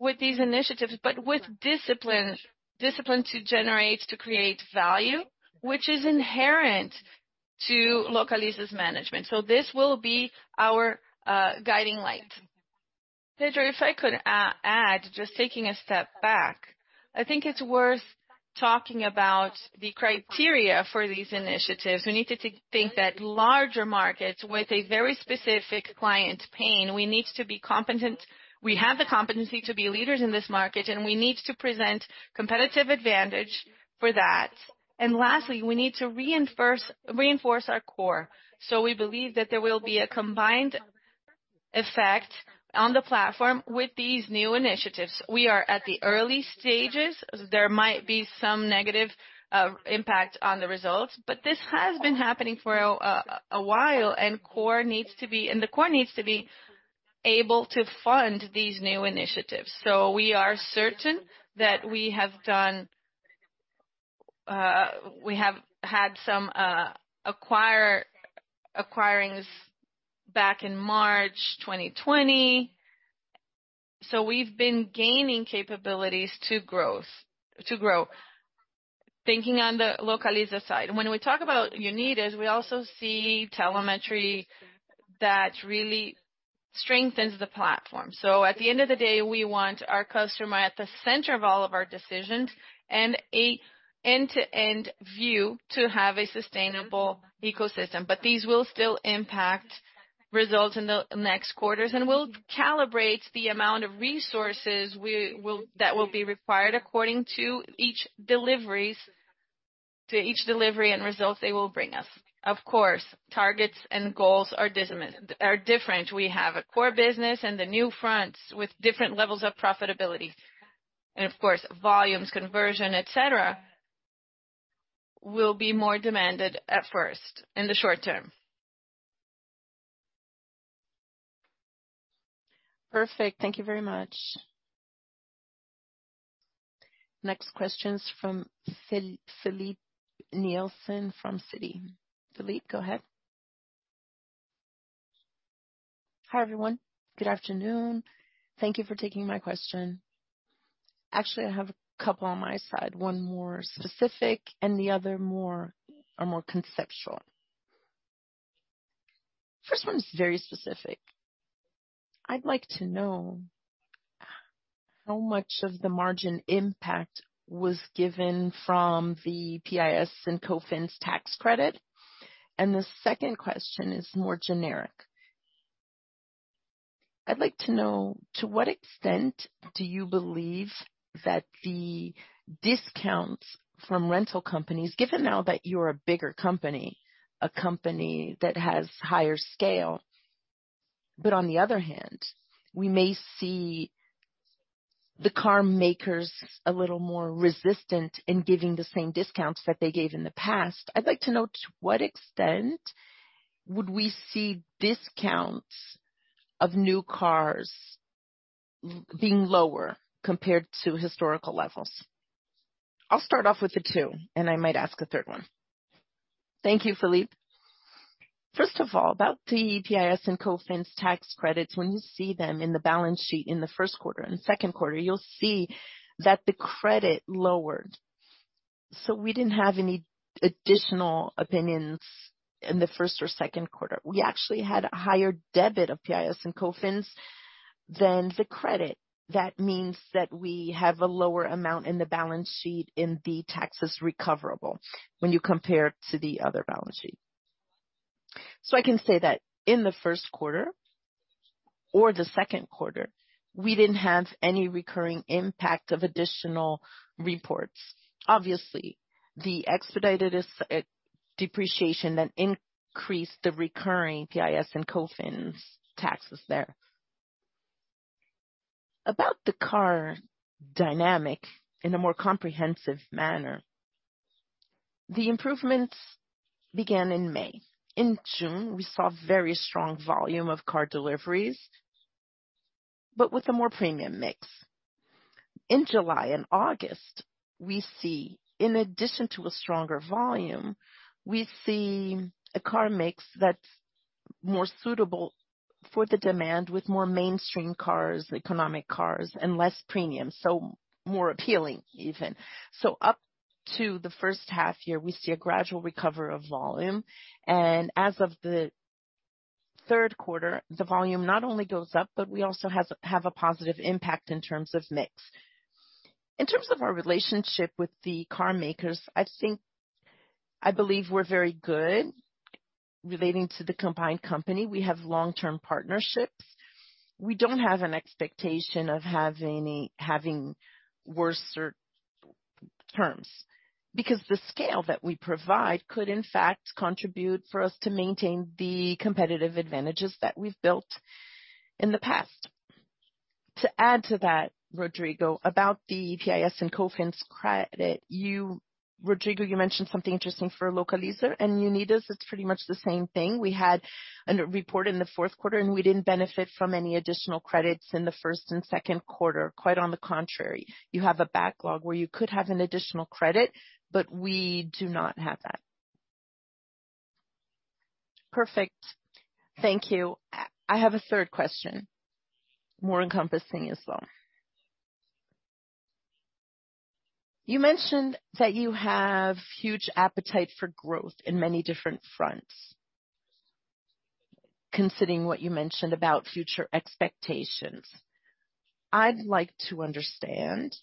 [SPEAKER 3] with these initiatives, but with discipline to generate, to create value, which is inherent to Localiza's management. This will be our guiding light. Pedro, if I could add, just taking a step back, I think it's worth talking about the criteria for these initiatives. We needed to think that larger markets with a very specific client pain, we need to be competent. We have the competency to be leaders in this market, and we need to present competitive advantage for that. Lastly, we need to reinforce our core. We believe that there will be a combined effect on the platform with these new initiatives. We are at the early stages. There might be some negative impact on the results, but this has been happening for a while, and core needs to be able to fund these new initiatives. We are certain that we have done, we have had some acquisitions back in March 2020, so we've been gaining capabilities to grow. Thinking on the Localiza side, when we talk about Unidas, we also see telemetry that really strengthens the platform. At the end of the day, we want our customer at the center of all of our decisions and an end-to-end view to have a sustainable ecosystem. These will still impact results in the next quarters, and we'll calibrate the amount of resources that will be required according to each delivery and results they will bring us. Of course, targets and goals are different. We have a core business and the new fronts with different levels of profitability. Of course, volumes, conversion, et cetera, will be more demanded at first in the short term.
[SPEAKER 6] Perfect. Thank you very much. Next question is from Filipe Nielsen from Citi. Filipe, go ahead.
[SPEAKER 9] Hi, everyone. Good afternoon. Thank you for taking my question. Actually, I have a couple on my side, one more specific and the other more conceptual. First one is very specific. I'd like to know how much of the margin impact was given from the PIS and COFINS tax credit. The second question is more generic. I'd like to know to what extent do you believe that the discounts from rental companies, given now that you're a bigger company, a company that has higher scale. On the other hand, we may see the car makers a little more resistant in giving the same discounts that they gave in the past. I'd like to know to what extent would we see discounts of new cars being lower compared to historical levels? I'll start off with the two, and I might ask a third one.
[SPEAKER 6] Thank you, Filipe. First of all, about the PIS and COFINS tax credits, when you see them in the balance sheet in the first quarter and second quarter, you'll see that the credit lowered. We didn't have any additional utilizations in the first or second quarter. We actually had a higher debit of PIS and COFINS than the credit. That means that we have a lower amount in the balance sheet in the taxes recoverable when you compare to the other balance sheet. I can say that in the first quarter or the second quarter, we didn't have any recurring impact of additional credits. Obviously, the expedited depreciation that increased the recurring PIS and COFINS credits there. About the car dynamic in a more comprehensive manner, the improvements began in May. In June, we saw very strong volume of car deliveries, but with a more premium mix. In July and August, we see in addition to a stronger volume, we see a car mix that's more suitable for the demand with more mainstream cars, economic cars and less premium, so more appealing even. Up to the first half year, we see a gradual recovery of volume. As of the- Third quarter, the volume not only goes up, but we also have a positive impact in terms of mix. In terms of our relationship with the car makers, I believe we're very good relating to the combined company. We have long-term partnerships. We don't have an expectation of having worse terms because the scale that we provide could in fact contribute for us to maintain the competitive advantages that we've built in the past. To add to that, Rodrigo, about the PIS and COFINS credit, Rodrigo, you mentioned something interesting for Localiza and Unidas. It's pretty much the same thing. We had underreporting in the fourth quarter, and we didn't benefit from any additional credits in the first and second quarter. Quite on the contrary, you have a backlog where you could have an additional credit, but we do not have that. Perfect.
[SPEAKER 9] Thank you. I have a third question, more encompassing as well. You mentioned that you have huge appetite for growth in many different fronts, considering what you mentioned about future expectations. I'd like to understand,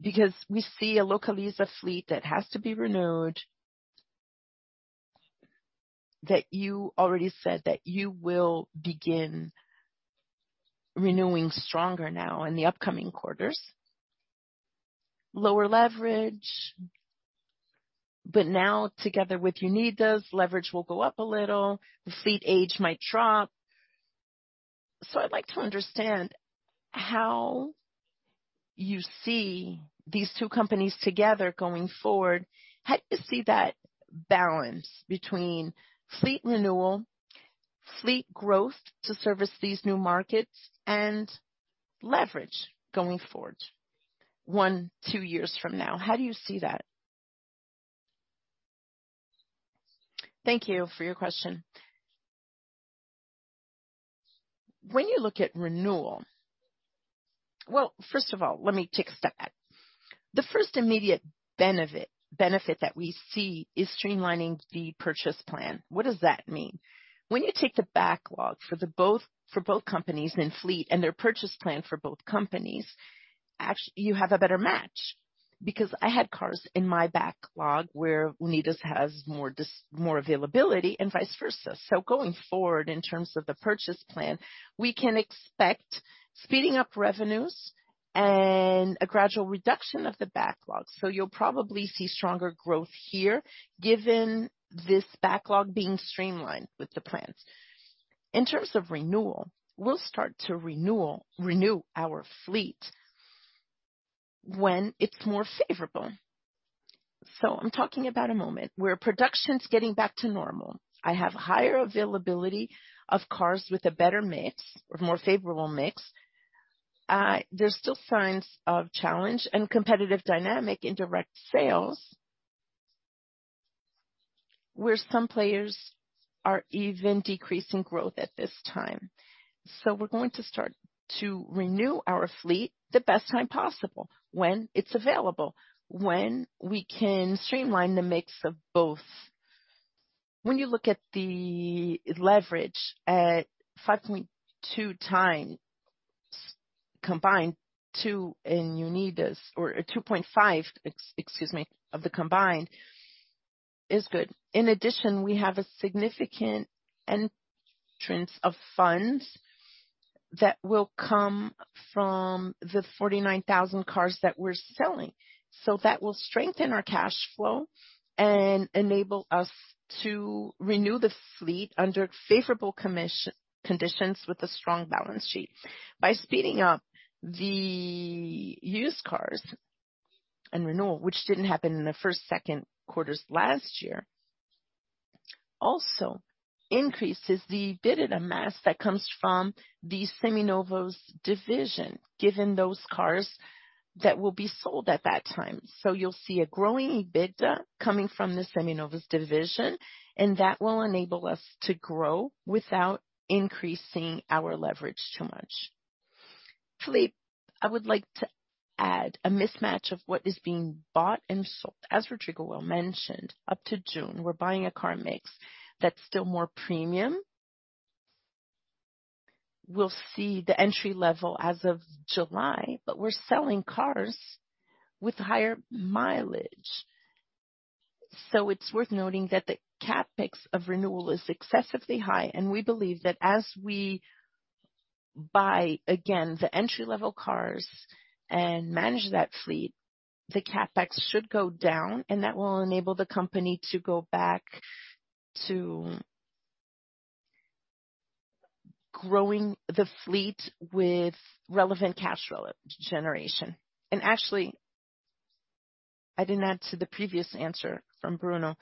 [SPEAKER 9] because we see a Localiza fleet that has to be renewed, that you already said that you will begin renewing stronger now in the upcoming quarters, lower leverage. Now, together with Unidas, leverage will go up a little, the fleet age might drop. I'd like to understand how you see these two companies together going forward. How do you see that balance between fleet renewal, fleet growth to service these new markets, and leverage going forward one, two years from now? How do you see that?
[SPEAKER 3] Thank you for your question. When you look at renewal, well, first of all, let me take a step back. The first immediate benefit that we see is streamlining the purchase plan. What does that mean? When you take the backlog for both companies in fleet and their purchase plan for both companies, you have a better match, because I had cars in my backlog where Unidas has more availability and vice versa. Going forward, in terms of the purchase plan, we can expect speeding up revenues and a gradual reduction of the backlog. You'll probably see stronger growth here, given this backlog being streamlined with the plans. In terms of renewal, we'll start to renew our fleet when it's more favorable. I'm talking about a moment where production is getting back to normal. I have higher availability of cars with a better mix or more favorable mix. There's still signs of challenge and competitive dynamic in direct sales, where some players are even decreasing growth at this time. We're going to start to renew our fleet the best time possible, when it's available, when we can streamline the mix of both. When you look at the leverage at 5.2x combined 2x in Unidas or 2.5x, excuse me, of the combined is good. In addition, we have a significant influx of funds that will come from the 49,000 cars that we're selling. That will strengthen our cash flow and enable us to renew the fleet under favorable commercial conditions with a strong balance sheet. By speeding up the used cars and renewal, which didn't happen in the first, second quarters last year, also increases the EBITDA mass that comes from the Seminovos division, given those cars that will be sold at that time. You'll see a growing EBITDA coming from the Seminovos division, and that will enable us to grow without increasing our leverage too much. Filipe, I would like to add a mismatch of what is being bought and sold. As Rodrigo well mentioned, up to June, we're buying a car mix that's still more premium. We'll see the entry level as of July, but we're selling cars with higher mileage. It's worth noting that the CapEx of renewal is excessively high, and we believe that as we buy, again, the entry-level cars and manage that fleet, the CapEx should go down, and that will enable the company to go back to growing the fleet with relevant cash generation. Actually, I didn't add to the previous answer from Bruno.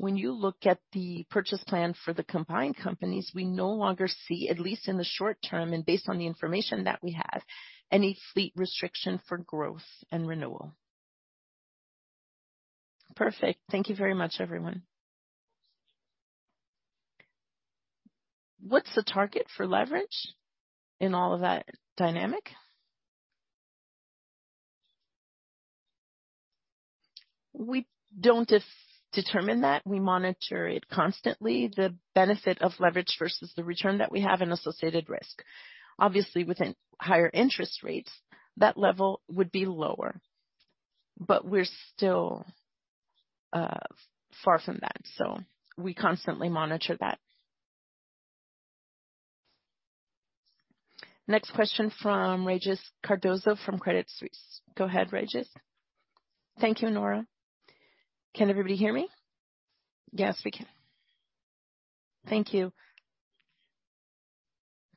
[SPEAKER 3] When you look at the purchase plan for the combined companies, we no longer see, at least in the short term and based on the information that we have, any fleet restriction for growth and renewal.
[SPEAKER 9] Perfect. Thank you very much, everyone. What's the target for leverage in all of that dynamic? We don't just determine that. We monitor it constantly. The benefit of leverage versus the return that we have in associated risk.
[SPEAKER 6] Obviously, within higher interest rates, that level would be lower, but we're still far from that, so we constantly monitor that. Next question from Regis Cardoso from Credit Suisse. Go ahead, Regis.
[SPEAKER 10] Thank you, Nora. Can everybody hear me?
[SPEAKER 6] Yes, we can.
[SPEAKER 10] Thank you.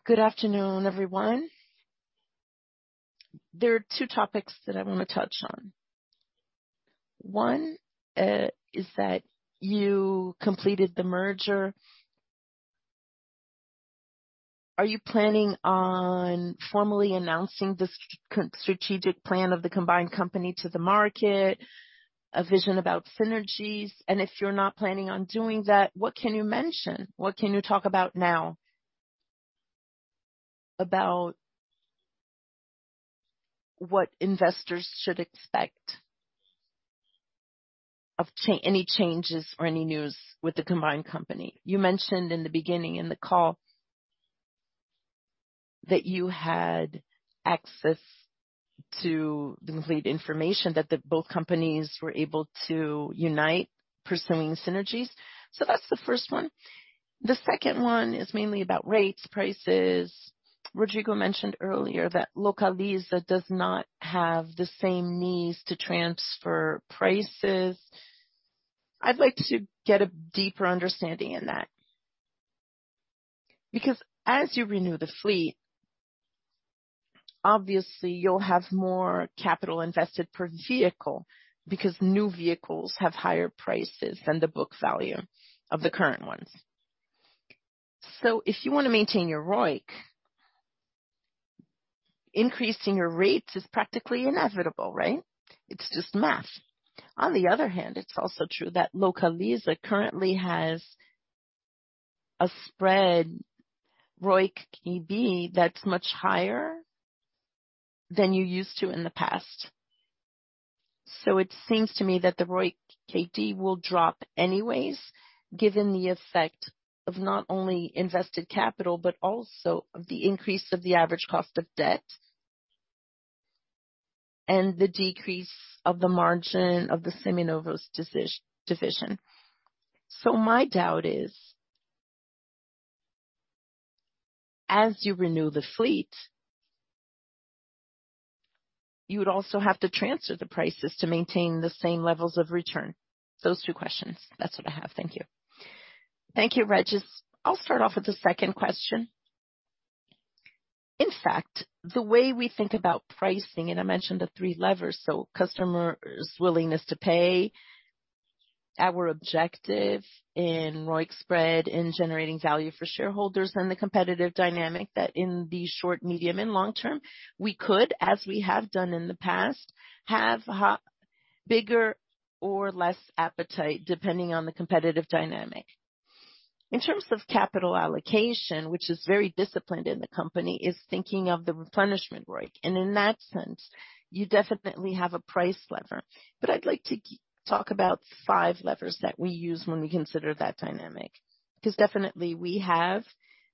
[SPEAKER 10] Good afternoon, everyone. There are two topics that I wanna touch on. One is that you completed the merger. Are you planning on formally announcing the strategic plan of the combined company to the market, a vision about synergies? And if you're not planning on doing that, what can you mention? What can you talk about now about what investors should expect of any changes or any news with the combined company? You mentioned in the beginning in the call that you had access to the complete information, that the both companies were able to unite pursuing synergies. That's the first one. The second one is mainly about rates, prices. Rodrigo mentioned earlier that Localiza does not have the same needs to transfer prices. I'd like to get a deeper understanding of that. Because as you renew the fleet, obviously you'll have more capital invested per vehicle because new vehicles have higher prices than the book value of the current ones. If you wanna maintain your ROIC, increasing your rates is practically inevitable, right? It's just math. On the other hand, it's also true that Localiza currently has a spread. ROIC EBITDA that's much higher than it used to in the past. It seems to me that the ROIC will drop anyways, given the effect of not only invested capital, but also of the increase of the average cost of debt and the decrease of the margin of the Seminovos division. My doubt is, as you renew the fleet, you would also have to transfer the prices to maintain the same levels of return. Those two questions. That's what I have. Thank you.
[SPEAKER 3] Thank you, Regis. I'll start off with the second question. In fact, the way we think about pricing, and I mentioned the three levers, customer's willingness to pay, our objective in ROIC spread in generating value for shareholders and the competitive dynamic that in the short, medium, and long term, we could, as we have done in the past, have bigger or less appetite depending on the competitive dynamic. In terms of capital allocation, which is very disciplined in the company, is thinking of the replenishment ROIC. In that sense, you definitely have a price lever. I'd like to talk about five levers that we use when we consider that dynamic, 'cause definitely we have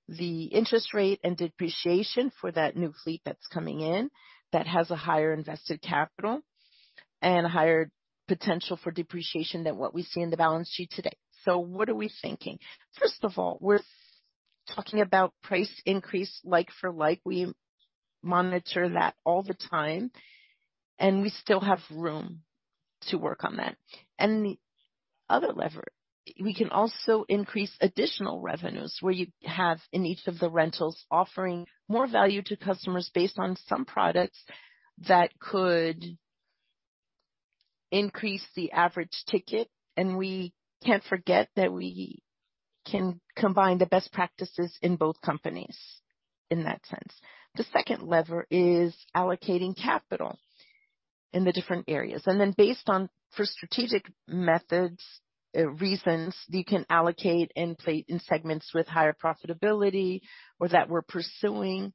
[SPEAKER 3] the interest rate and depreciation for that new fleet that's coming in that has a higher invested capital and a higher potential for depreciation than what we see in the balance sheet today. What are we thinking? First of all, we're talking about price increase like for like. We monitor that all the time, and we still have room to work on that. The other lever, we can also increase additional revenues, where you have in each of the rentals offering more value to customers based on some products that could increase the average ticket. We can't forget that we can combine the best practices in both companies in that sense. The second lever is allocating capital in the different areas. Based on, for strategic methods, reasons, you can allocate and play in segments with higher profitability or that we're pursuing,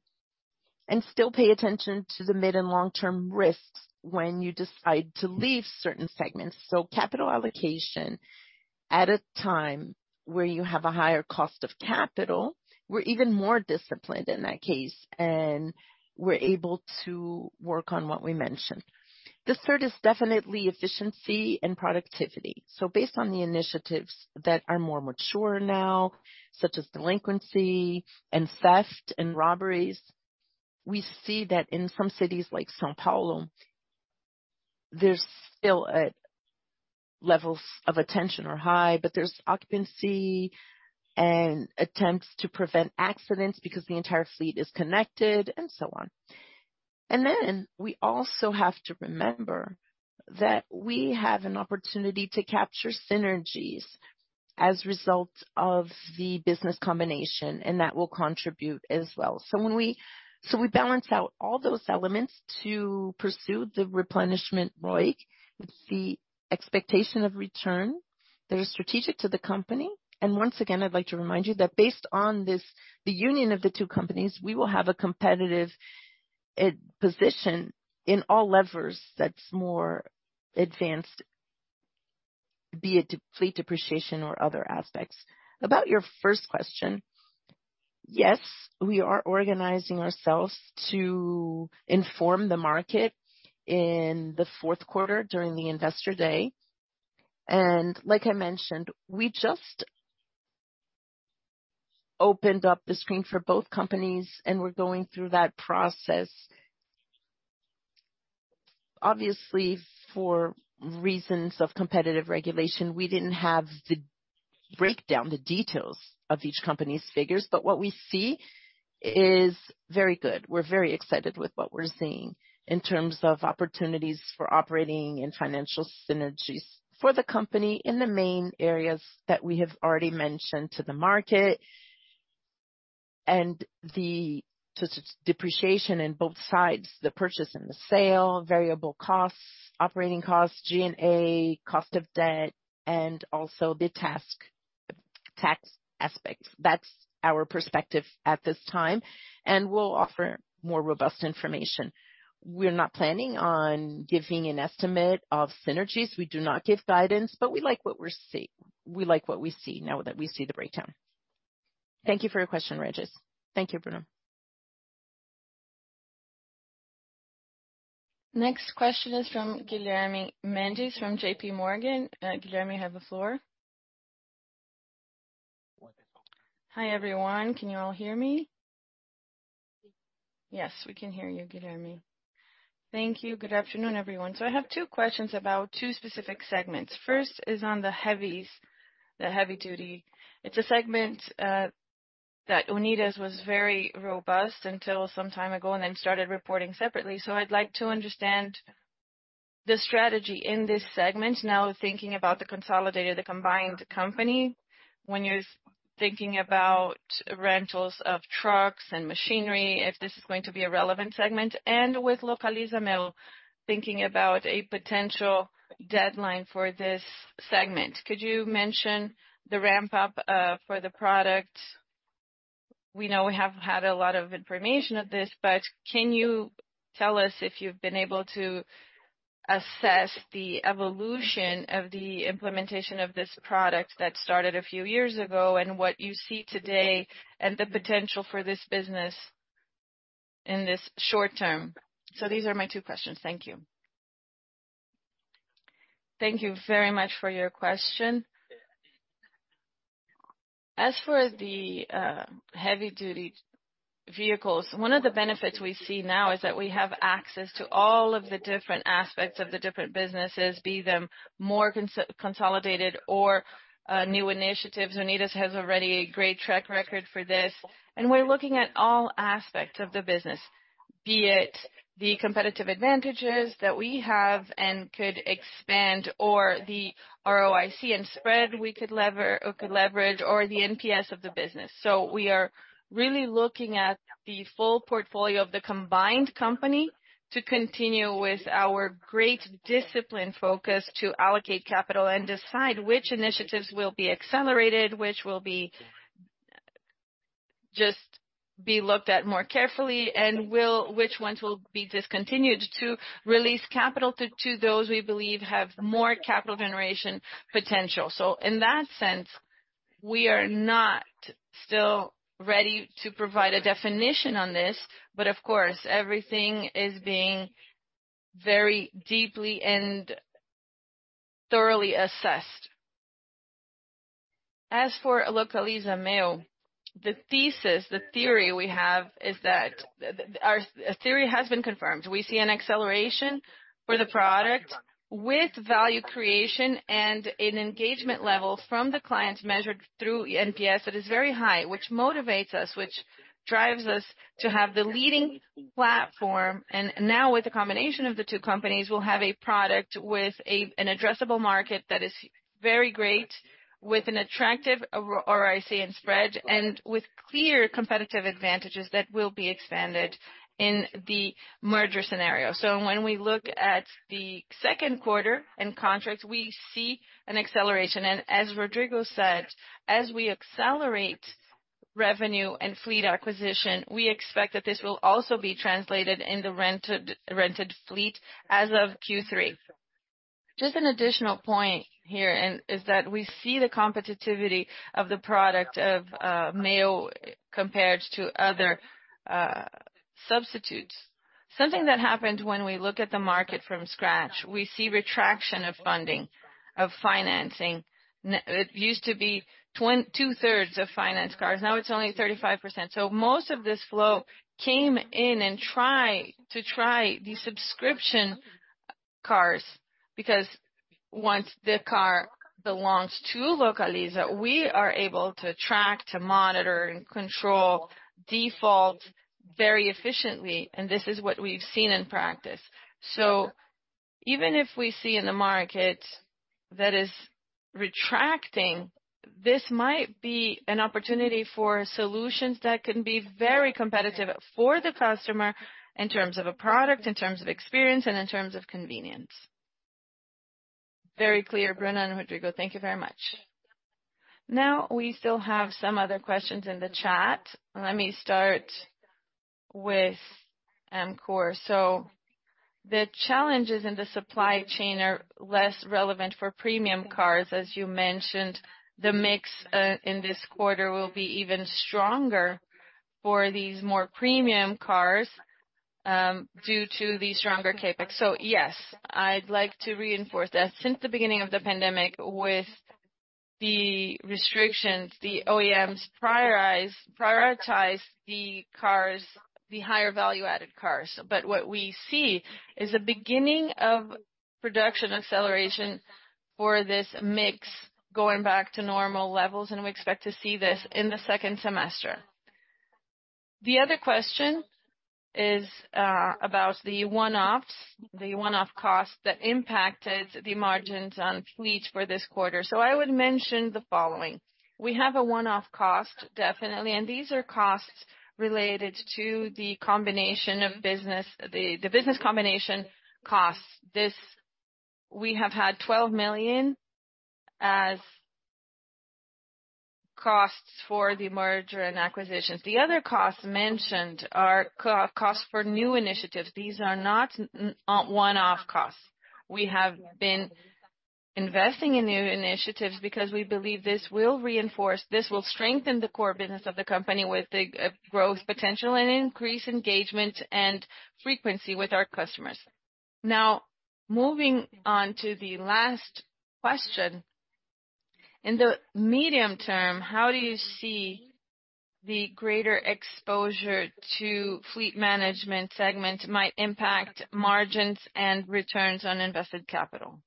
[SPEAKER 3] and still pay attention to the mid and long-term risks when you decide to leave certain segments. Capital allocation at a time where you have a higher cost of capital, we're even more disciplined in that case, and we're able to work on what we mentioned. The third is definitely efficiency and productivity. Based on the initiatives that are more mature now, such as delinquency and theft and robberies, we see that in some cities like São Paulo, there's still levels of attention are high, but there's occupancy and attempts to prevent accidents because the entire fleet is connected and so on. We also have to remember that we have an opportunity to capture synergies as a result of the business combination, and that will contribute as well. We balance out all those elements to pursue the replenishment ROIC with the expectation of return. They're strategic to the company. Once again, I'd like to remind you that based on this, the union of the two companies, we will have a competitive position in all levers that's more advanced, be it de-fleet depreciation or other aspects. About your first question, yes, we are organizing ourselves to inform the market in the fourth quarter during the investor day. Like I mentioned, we just opened up the screen for both companies, and we're going through that process. Obviously, for reasons of competitive regulation, we didn't have the breakdown, the details of each company's figures, but what we see is very good. We're very excited with what we're seeing in terms of opportunities for operating and financial synergies for the company in the main areas that we have already mentioned to the market. The depreciation in both sides, the purchase and the sale, variable costs, operating costs, G&A, cost of debt, and also the tax aspects. That's our perspective at this time, and we'll offer more robust information. We're not planning on giving an estimate of synergies. We do not give guidance, but we like what we see now that we see the breakdown. Thank you for your question, Regis. Thank you, Bruno.
[SPEAKER 6] Next question is from Guilherme Mendes from J.P. Morgan. Guilherme, you have the floor.
[SPEAKER 11] Hi, everyone. Can you all hear me?
[SPEAKER 6] Yes, we can hear you, Guilherme.
[SPEAKER 11] Thank you. Good afternoon, everyone. I have two questions about two specific segments. First is on the heavies, the heavy duty. It's a segment that Unidas was very robust until some time ago, and then started reporting separately. I'd like to understand the strategy in this segment now, thinking about the consolidated, the combined company, when you're thinking about rentals of trucks and machinery, if this is going to be a relevant segment. With Localiza Meoo, thinking about a potential deadline for this segment. Could you mention the ramp-up for the product? We know we have had a lot of information of this, but can you tell us if you've been able to assess the evolution of the implementation of this product that started a few years ago and what you see today and the potential for this business in this short term? These are my two questions. Thank you.
[SPEAKER 3] Thank you very much for your question. As for the heavy-duty vehicles, one of the benefits we see now is that we have access to all of the different aspects of the different businesses, be them more consolidated or new initiatives. Unidas has already a great track record for this, and we're looking at all aspects of the business. Be it the competitive advantages that we have and could expand or the ROIC and spread we could leverage or the NPS of the business. We are really looking at the full portfolio of the combined company to continue with our great disciplined focus to allocate capital and decide which initiatives will be accelerated, which will be looked at more carefully, and which ones will be discontinued to release capital to those we believe have more capital generation potential. In that sense, we are not still ready to provide a definition on this, but of course, everything is being very deeply and thoroughly assessed. As for Localiza Meoo, our theory has been confirmed. We see an acceleration for the product with value creation and an engagement level from the clients measured through NPS that is very high, which motivates us, which drives us to have the leading platform. Now with the combination of the two companies, we'll have a product with an addressable market that is very great with an attractive ROIC and spread, and with clear competitive advantages that will be expanded in the merger scenario. When we look at the second quarter and contracts, we see an acceleration. As Rodrigo said, as we accelerate revenue and fleet acquisition, we expect that this will also be translated in the rented fleet as of Q3. Just an additional point here, is that we see the competitiveness of the product of Meoo compared to other substitutes. Something that happened when we look at the market from scratch, we see contraction of funding, of financing. It used to be two-thirds of financed cars, now it's only 35%. Most of this flow came in and to try the subscription cars, because once the car belongs to Localiza, we are able to track, to monitor and control default very efficiently, and this is what we've seen in practice. Even if we see in the market that is retracting, this might be an opportunity for solutions that can be very competitive for the customer in terms of a product, in terms of experience, and in terms of convenience.
[SPEAKER 6] Very clear, Bruno and Rodrigo, thank you very much. Now, we still have some other questions in the chat. Let me start with Core. The challenges in the supply chain are less relevant for premium cars. As you mentioned, the mix in this quarter will be even stronger for these more premium cars due to the stronger CapEx.
[SPEAKER 1] Yes, I'd like to reinforce that since the beginning of the pandemic with the restrictions, the OEMs prioritize the cars, the higher value-added cars. What we see is a beginning of production acceleration for this mix going back to normal levels, and we expect to see this in the second semester. The other question is about the one-offs, the one-off costs that impacted the margins on fleet for this quarter. I would mention the following. We have a one-off cost, definitely, and these are costs related to the combination of business, the business combination costs. This, we have had 12 million as costs for the merger and acquisitions. The other costs mentioned are G&A costs for new initiatives. These are not one-off costs. We have been investing in new initiatives because we believe this will reinforce, this will strengthen the core business of the company with the growth potential and increase engagement and frequency with our customers. Now, moving on to the last question. In the medium term, how do you see the greater exposure to fleet management segment might impact margins and returns on invested capital?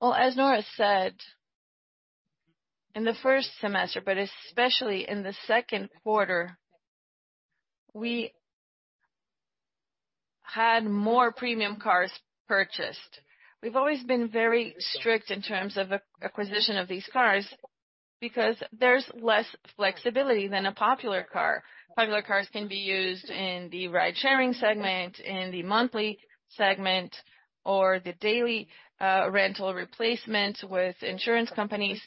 [SPEAKER 1] Well, as Nora said, in the first semester, but especially in the second quarter, we had more premium cars purchased. We've always been very strict in terms of acquisition of these cars because there's less flexibility than a popular car. Popular cars can be used in the ridesharing segment, in the monthly segment or the daily rental replacement with insurance companies,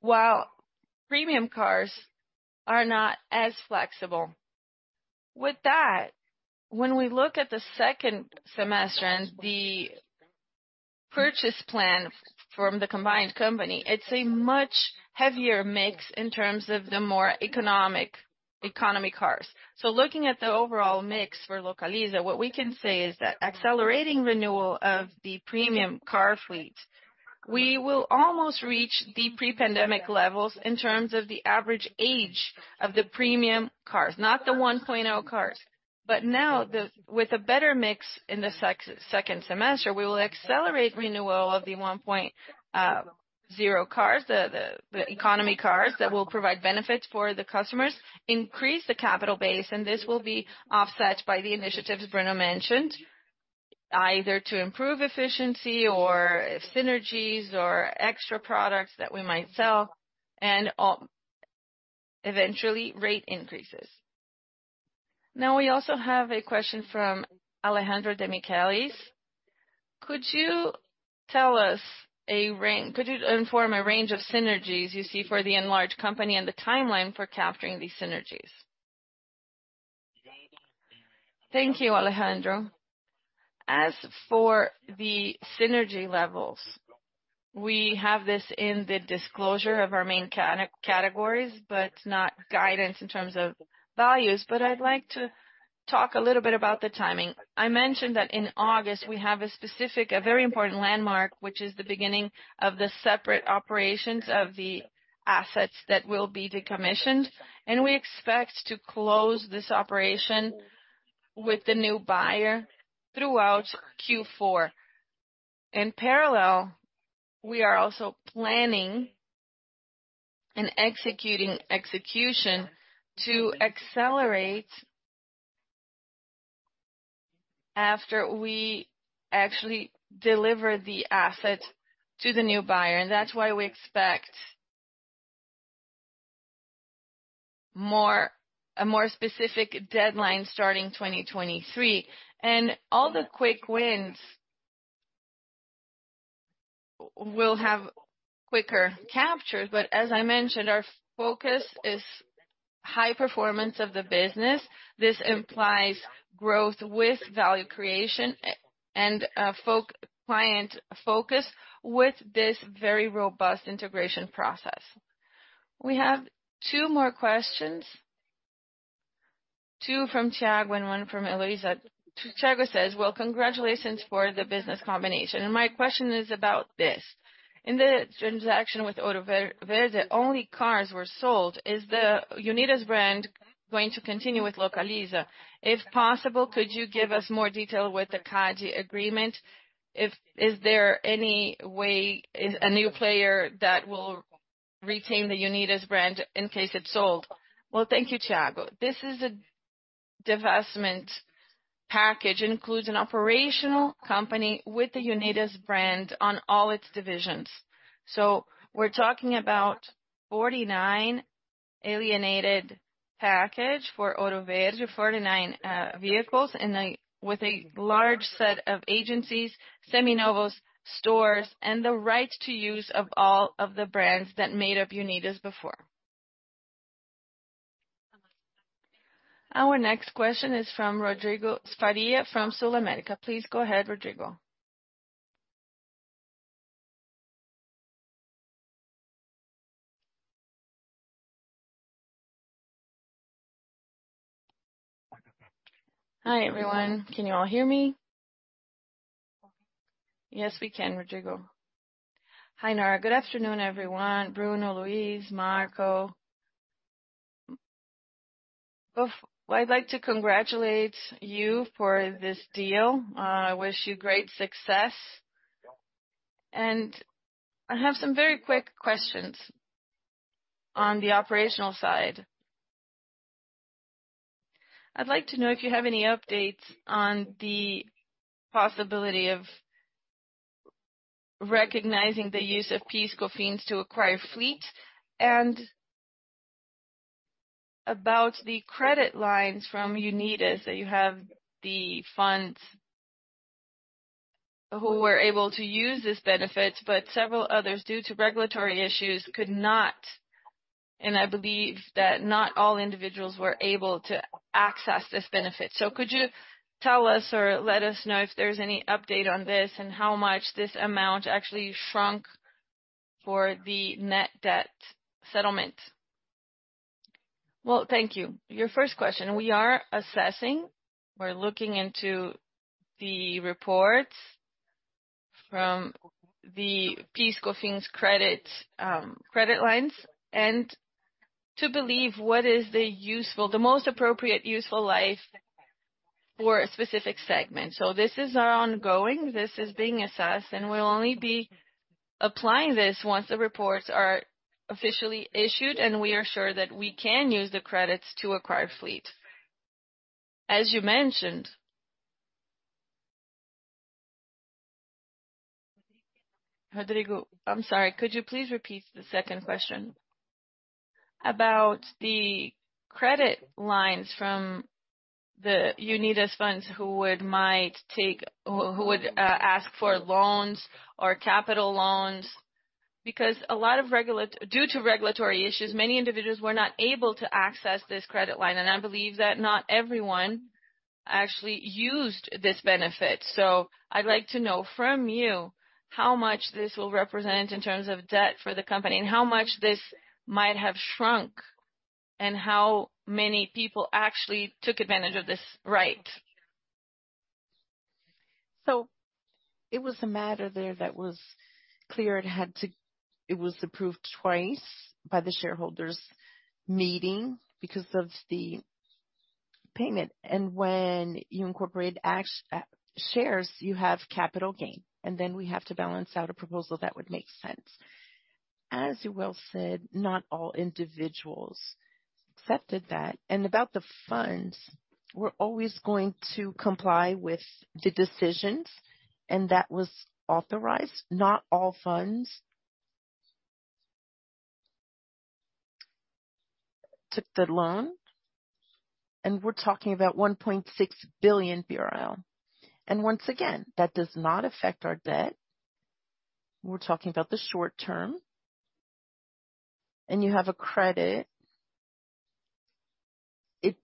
[SPEAKER 1] while premium cars are not as flexible. With that, when we look at the second semester and the purchase plan from the combined company, it's a much heavier mix in terms of the more economic economy cars. Looking at the overall mix for Localiza, what we can say is that accelerating renewal of the premium car fleet, we will almost reach the pre-pandemic levels in terms of the average age of the premium cars, not the 1.0 cars. But now with a better mix in the second semester, we will accelerate renewal of the 1.0 cars, the economy cars that will provide benefits for the customers, increase the capital base, and this will be offset by the initiatives Bruno mentioned, either to improve efficiency or synergies or extra products that we might sell and eventually rate increases.
[SPEAKER 6] Now, we also have a question from Alejandro Demichelis. Could you inform a range of synergies you see for the enlarged company and the timeline for capturing these synergies? Thank you, Alejandro. As for the synergy levels, we have this in the disclosure of our main categories, but not guidance in terms of values. I'd like to talk a little bit about the timing. I mentioned that in August we have a specific, very important landmark, which is the beginning of the separate operations of the assets that will be decommissioned, and we expect to close this operation with the new buyer throughout Q4. In parallel, we are also planning and executing to accelerate after we actually deliver the asset to the new buyer. That's why we expect a more specific deadline starting 2023. All the quick wins will have quicker captures. As I mentioned, our focus is high performance of the business. This implies growth with value creation and client focus with this very robust integration process. We have two more questions, two from Thiago and one from Eloísa. Thiago says, "Well, congratulations for the business combination. My question is about this. In the transaction with Ouro Verde, only cars were sold. Is the Unidas brand going to continue with Localiza? If possible, could you give us more detail with the CADE agreement? Is there any way a new player that will retain the Unidas brand in case it's sold?"
[SPEAKER 3] Well, thank you, Thiago. This is a-Divestment package includes an operational company with the Unidas brand on all its divisions. We're talking about 49 alienated package for Ouro Verde, 49 vehicles with a large set of agencies, seminovos stores, and the rights to use of all of the brands that made up Unidas before.
[SPEAKER 6] Our next question is from Rodrigo Faria from SulAmérica. Please go ahead, Rodrigo.
[SPEAKER 12] Hi, everyone. Can you all hear me?
[SPEAKER 6] Yes, we can, Rodrigo.
[SPEAKER 12] Hi, Nora. Good afternoon, everyone. Bruno, Luis, Marco. I'd like to congratulate you for this deal. I wish you great success. I have some very quick questions on the operational side. I'd like to know if you have any updates on the possibility of recognizing the use of PIS/COFINS to acquire fleet and about the credit lines from Unidas, that you have the funds who were able to use this benefit, but several others, due to regulatory issues, could not. I believe that not all individuals were able to access this benefit. Could you tell us or let us know if there's any update on this and how much this amount actually shrunk for the net debt settlement? Well, thank you.
[SPEAKER 3] Your first question. We are assessing. We're looking into the reports from the PIS/COFINS credit lines, and we believe what is the most appropriate useful life for a specific segment. This is being assessed, and we'll only be applying this once the reports are officially issued and we are sure that we can use the credits to acquire fleet. As you mentioned, Rodrigo, I'm sorry. Could you please repeat the second question. About the credit lines from the Unidas funds who would ask for loans or capital loans, because a lot of regulatory issues, many individuals were not able to access this credit line. I believe that not everyone actually used this benefit.
[SPEAKER 12] I'd like to know from you how much this will represent in terms of debt for the company and how much this might have shrunk and how many people actually took advantage of this right.
[SPEAKER 3] It was a matter there that was clear. It was approved twice by the shareholders meeting because of the payment. When you incorporate actual shares, you have capital gain, and then we have to balance out a proposal that would make sense. As you well said, not all individuals accepted that. About the funds, we're always going to comply with the decisions, and that was authorized. Not all funds took the loan, and we're talking about 1.6 billion BRL. Once again, that does not affect our debt. We're talking about the short term. You have a credit. It's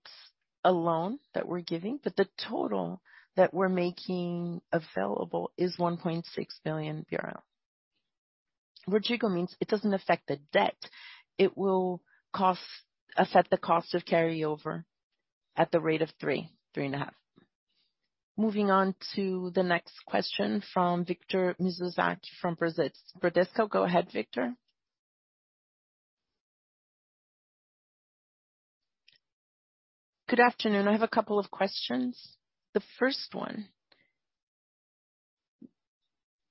[SPEAKER 3] a loan that we're giving, but the total that we're making available is 1.6 billion. Rodrigo means it doesn't affect the debt. It will affect the cost of carryover at the rate of 3%-3.5%.
[SPEAKER 6] Moving on to the next question from Victor Mizusaki from Bradesco. Go ahead, Victor.
[SPEAKER 13] Good afternoon. I have a couple of questions. The first one.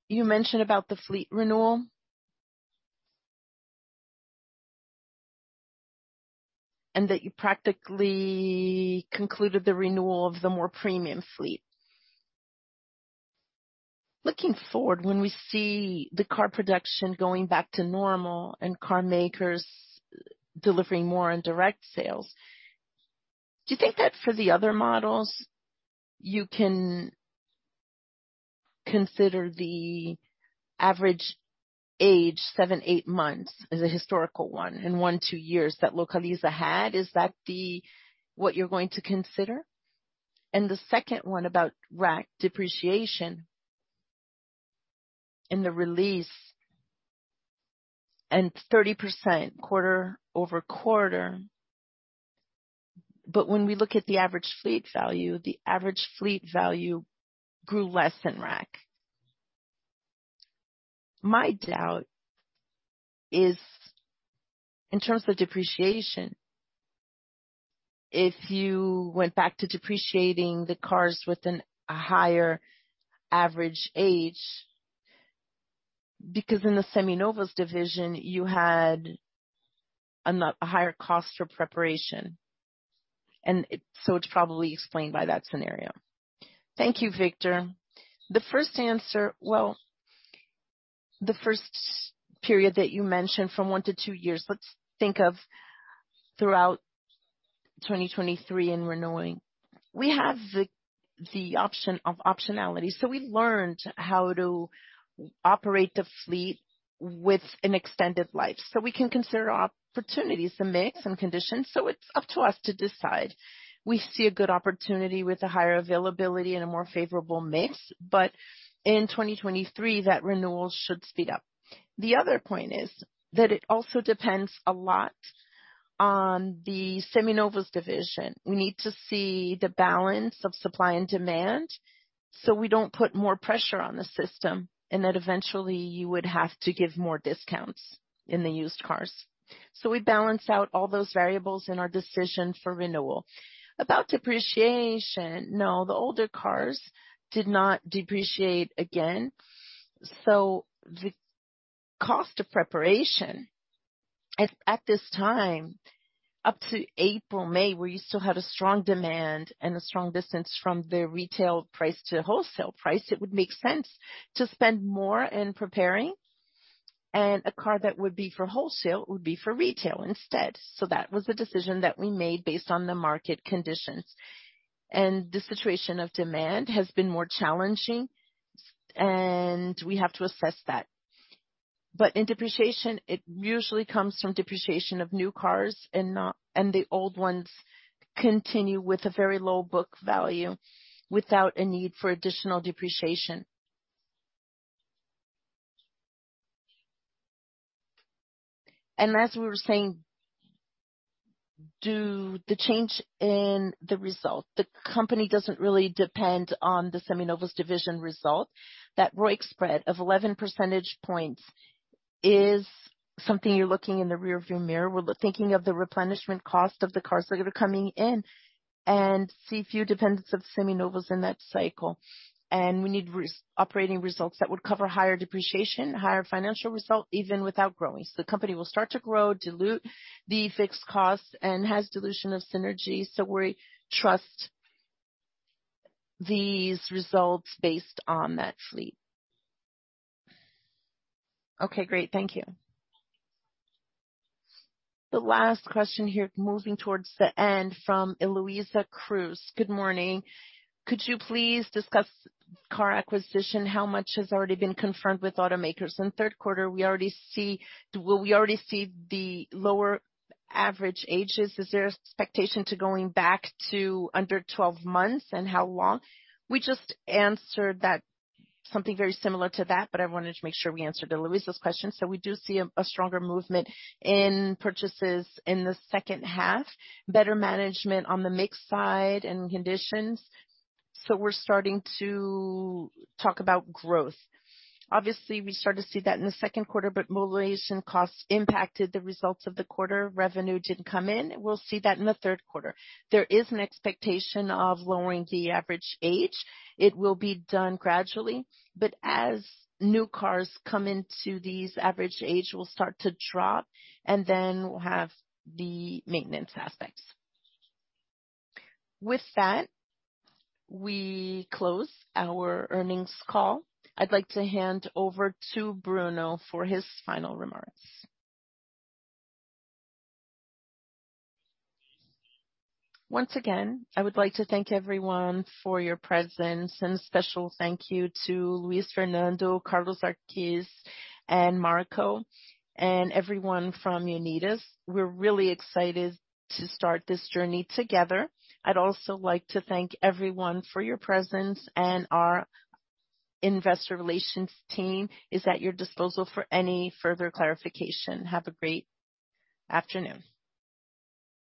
[SPEAKER 13] You mentioned about the fleet renewal. That you practically concluded the renewal of the more premium fleet. Looking forward, when we see the car production going back to normal and car makers delivering more on direct sales, do you think that for the other models, you can consider the average age, seven to eight months, as a historical one, and one to two years that Localiza had, is that what you're going to consider? The second one about RAC depreciation and the release and 30% quarter-over-quarter. But when we look at the average fleet value, the average fleet value grew less than RAC. My doubt is in terms of depreciation.
[SPEAKER 3] If you went back to depreciating the cars with a higher average age. Because in the Seminovos division, you had a higher cost for preparation. It's probably explained by that scenario. Thank you, Victor. The first answer. Well, the first period that you mentioned, from one to two years, let's think of throughout 2023 and renewing. We have the option of optionality. We learned how to operate the fleet with an extended life. We can consider opportunities, the mix and conditions. It's up to us to decide. We see a good opportunity with a higher availability and a more favorable mix, but in 2023, that renewal should speed up. The other point is that it also depends a lot on the Seminovos division. We need to see the balance of supply and demand, so we don't put more pressure on the system, and that eventually you would have to give more discounts in the used cars. We balance out all those variables in our decision for renewal. About depreciation, no, the older cars did not depreciate again. The cost of preparation at this time, up to April, May, where you still had a strong demand and a strong distance from the retail price to wholesale price, it would make sense to spend more in preparing. A car that would be for wholesale would be for retail instead. That was the decision that we made based on the market conditions. The situation of demand has been more challenging, and we have to assess that. In depreciation, it usually comes from depreciation of new cars and not the old ones continue with a very low book value without a need for additional depreciation. As we were saying, due to the change in the result. The company doesn't really depend on the Seminovos division result. That ROIC spread of 11 percentage points is something you're looking in the rearview mirror. We're thinking of the replenishment cost of the cars that are coming in and see few dependencies of Seminovos in that cycle. We need operating results that would cover higher depreciation, higher financial results, even without growing. The company will start to grow, dilute the fixed costs and has dilution of synergy. We trust these results based on that fleet.
[SPEAKER 13] Okay, great. Thank you. The last question here, moving towards the end, from Eloísa Cruz. Good morning.
[SPEAKER 3] Could you please discuss car acquisition? How much has already been confirmed with automakers? In third quarter, we already see the lower average age. We already see the lower average age. Is there expectation of going back to under 12 months, and how long? We just answered that, something very similar to that, but I wanted to make sure we answered Eloísa's question. We do see a stronger movement in purchases in the second half, better management on the mix side and conditions. We're starting to talk about growth. Obviously, we start to see that in the second quarter, but mobilization costs impacted the results of the quarter. Revenue didn't come in. We'll see that in the third quarter. There is an expectation of lowering the average age. It will be done gradually. As new cars come into the fleet, the average age will start to drop, and then we'll have the maintenance aspects. With that, we close our earnings call. I'd like to hand over to Bruno for his final remarks. Once again, I would like to thank everyone for your presence and special thank you to Luis Fernando, Carlos Sarquis, and Marco Túlio and everyone from Unidas. We're really excited to start this journey together. I'd also like to thank everyone for your presence and our investor relations team is at your disposal for any further clarification. Have a great afternoon.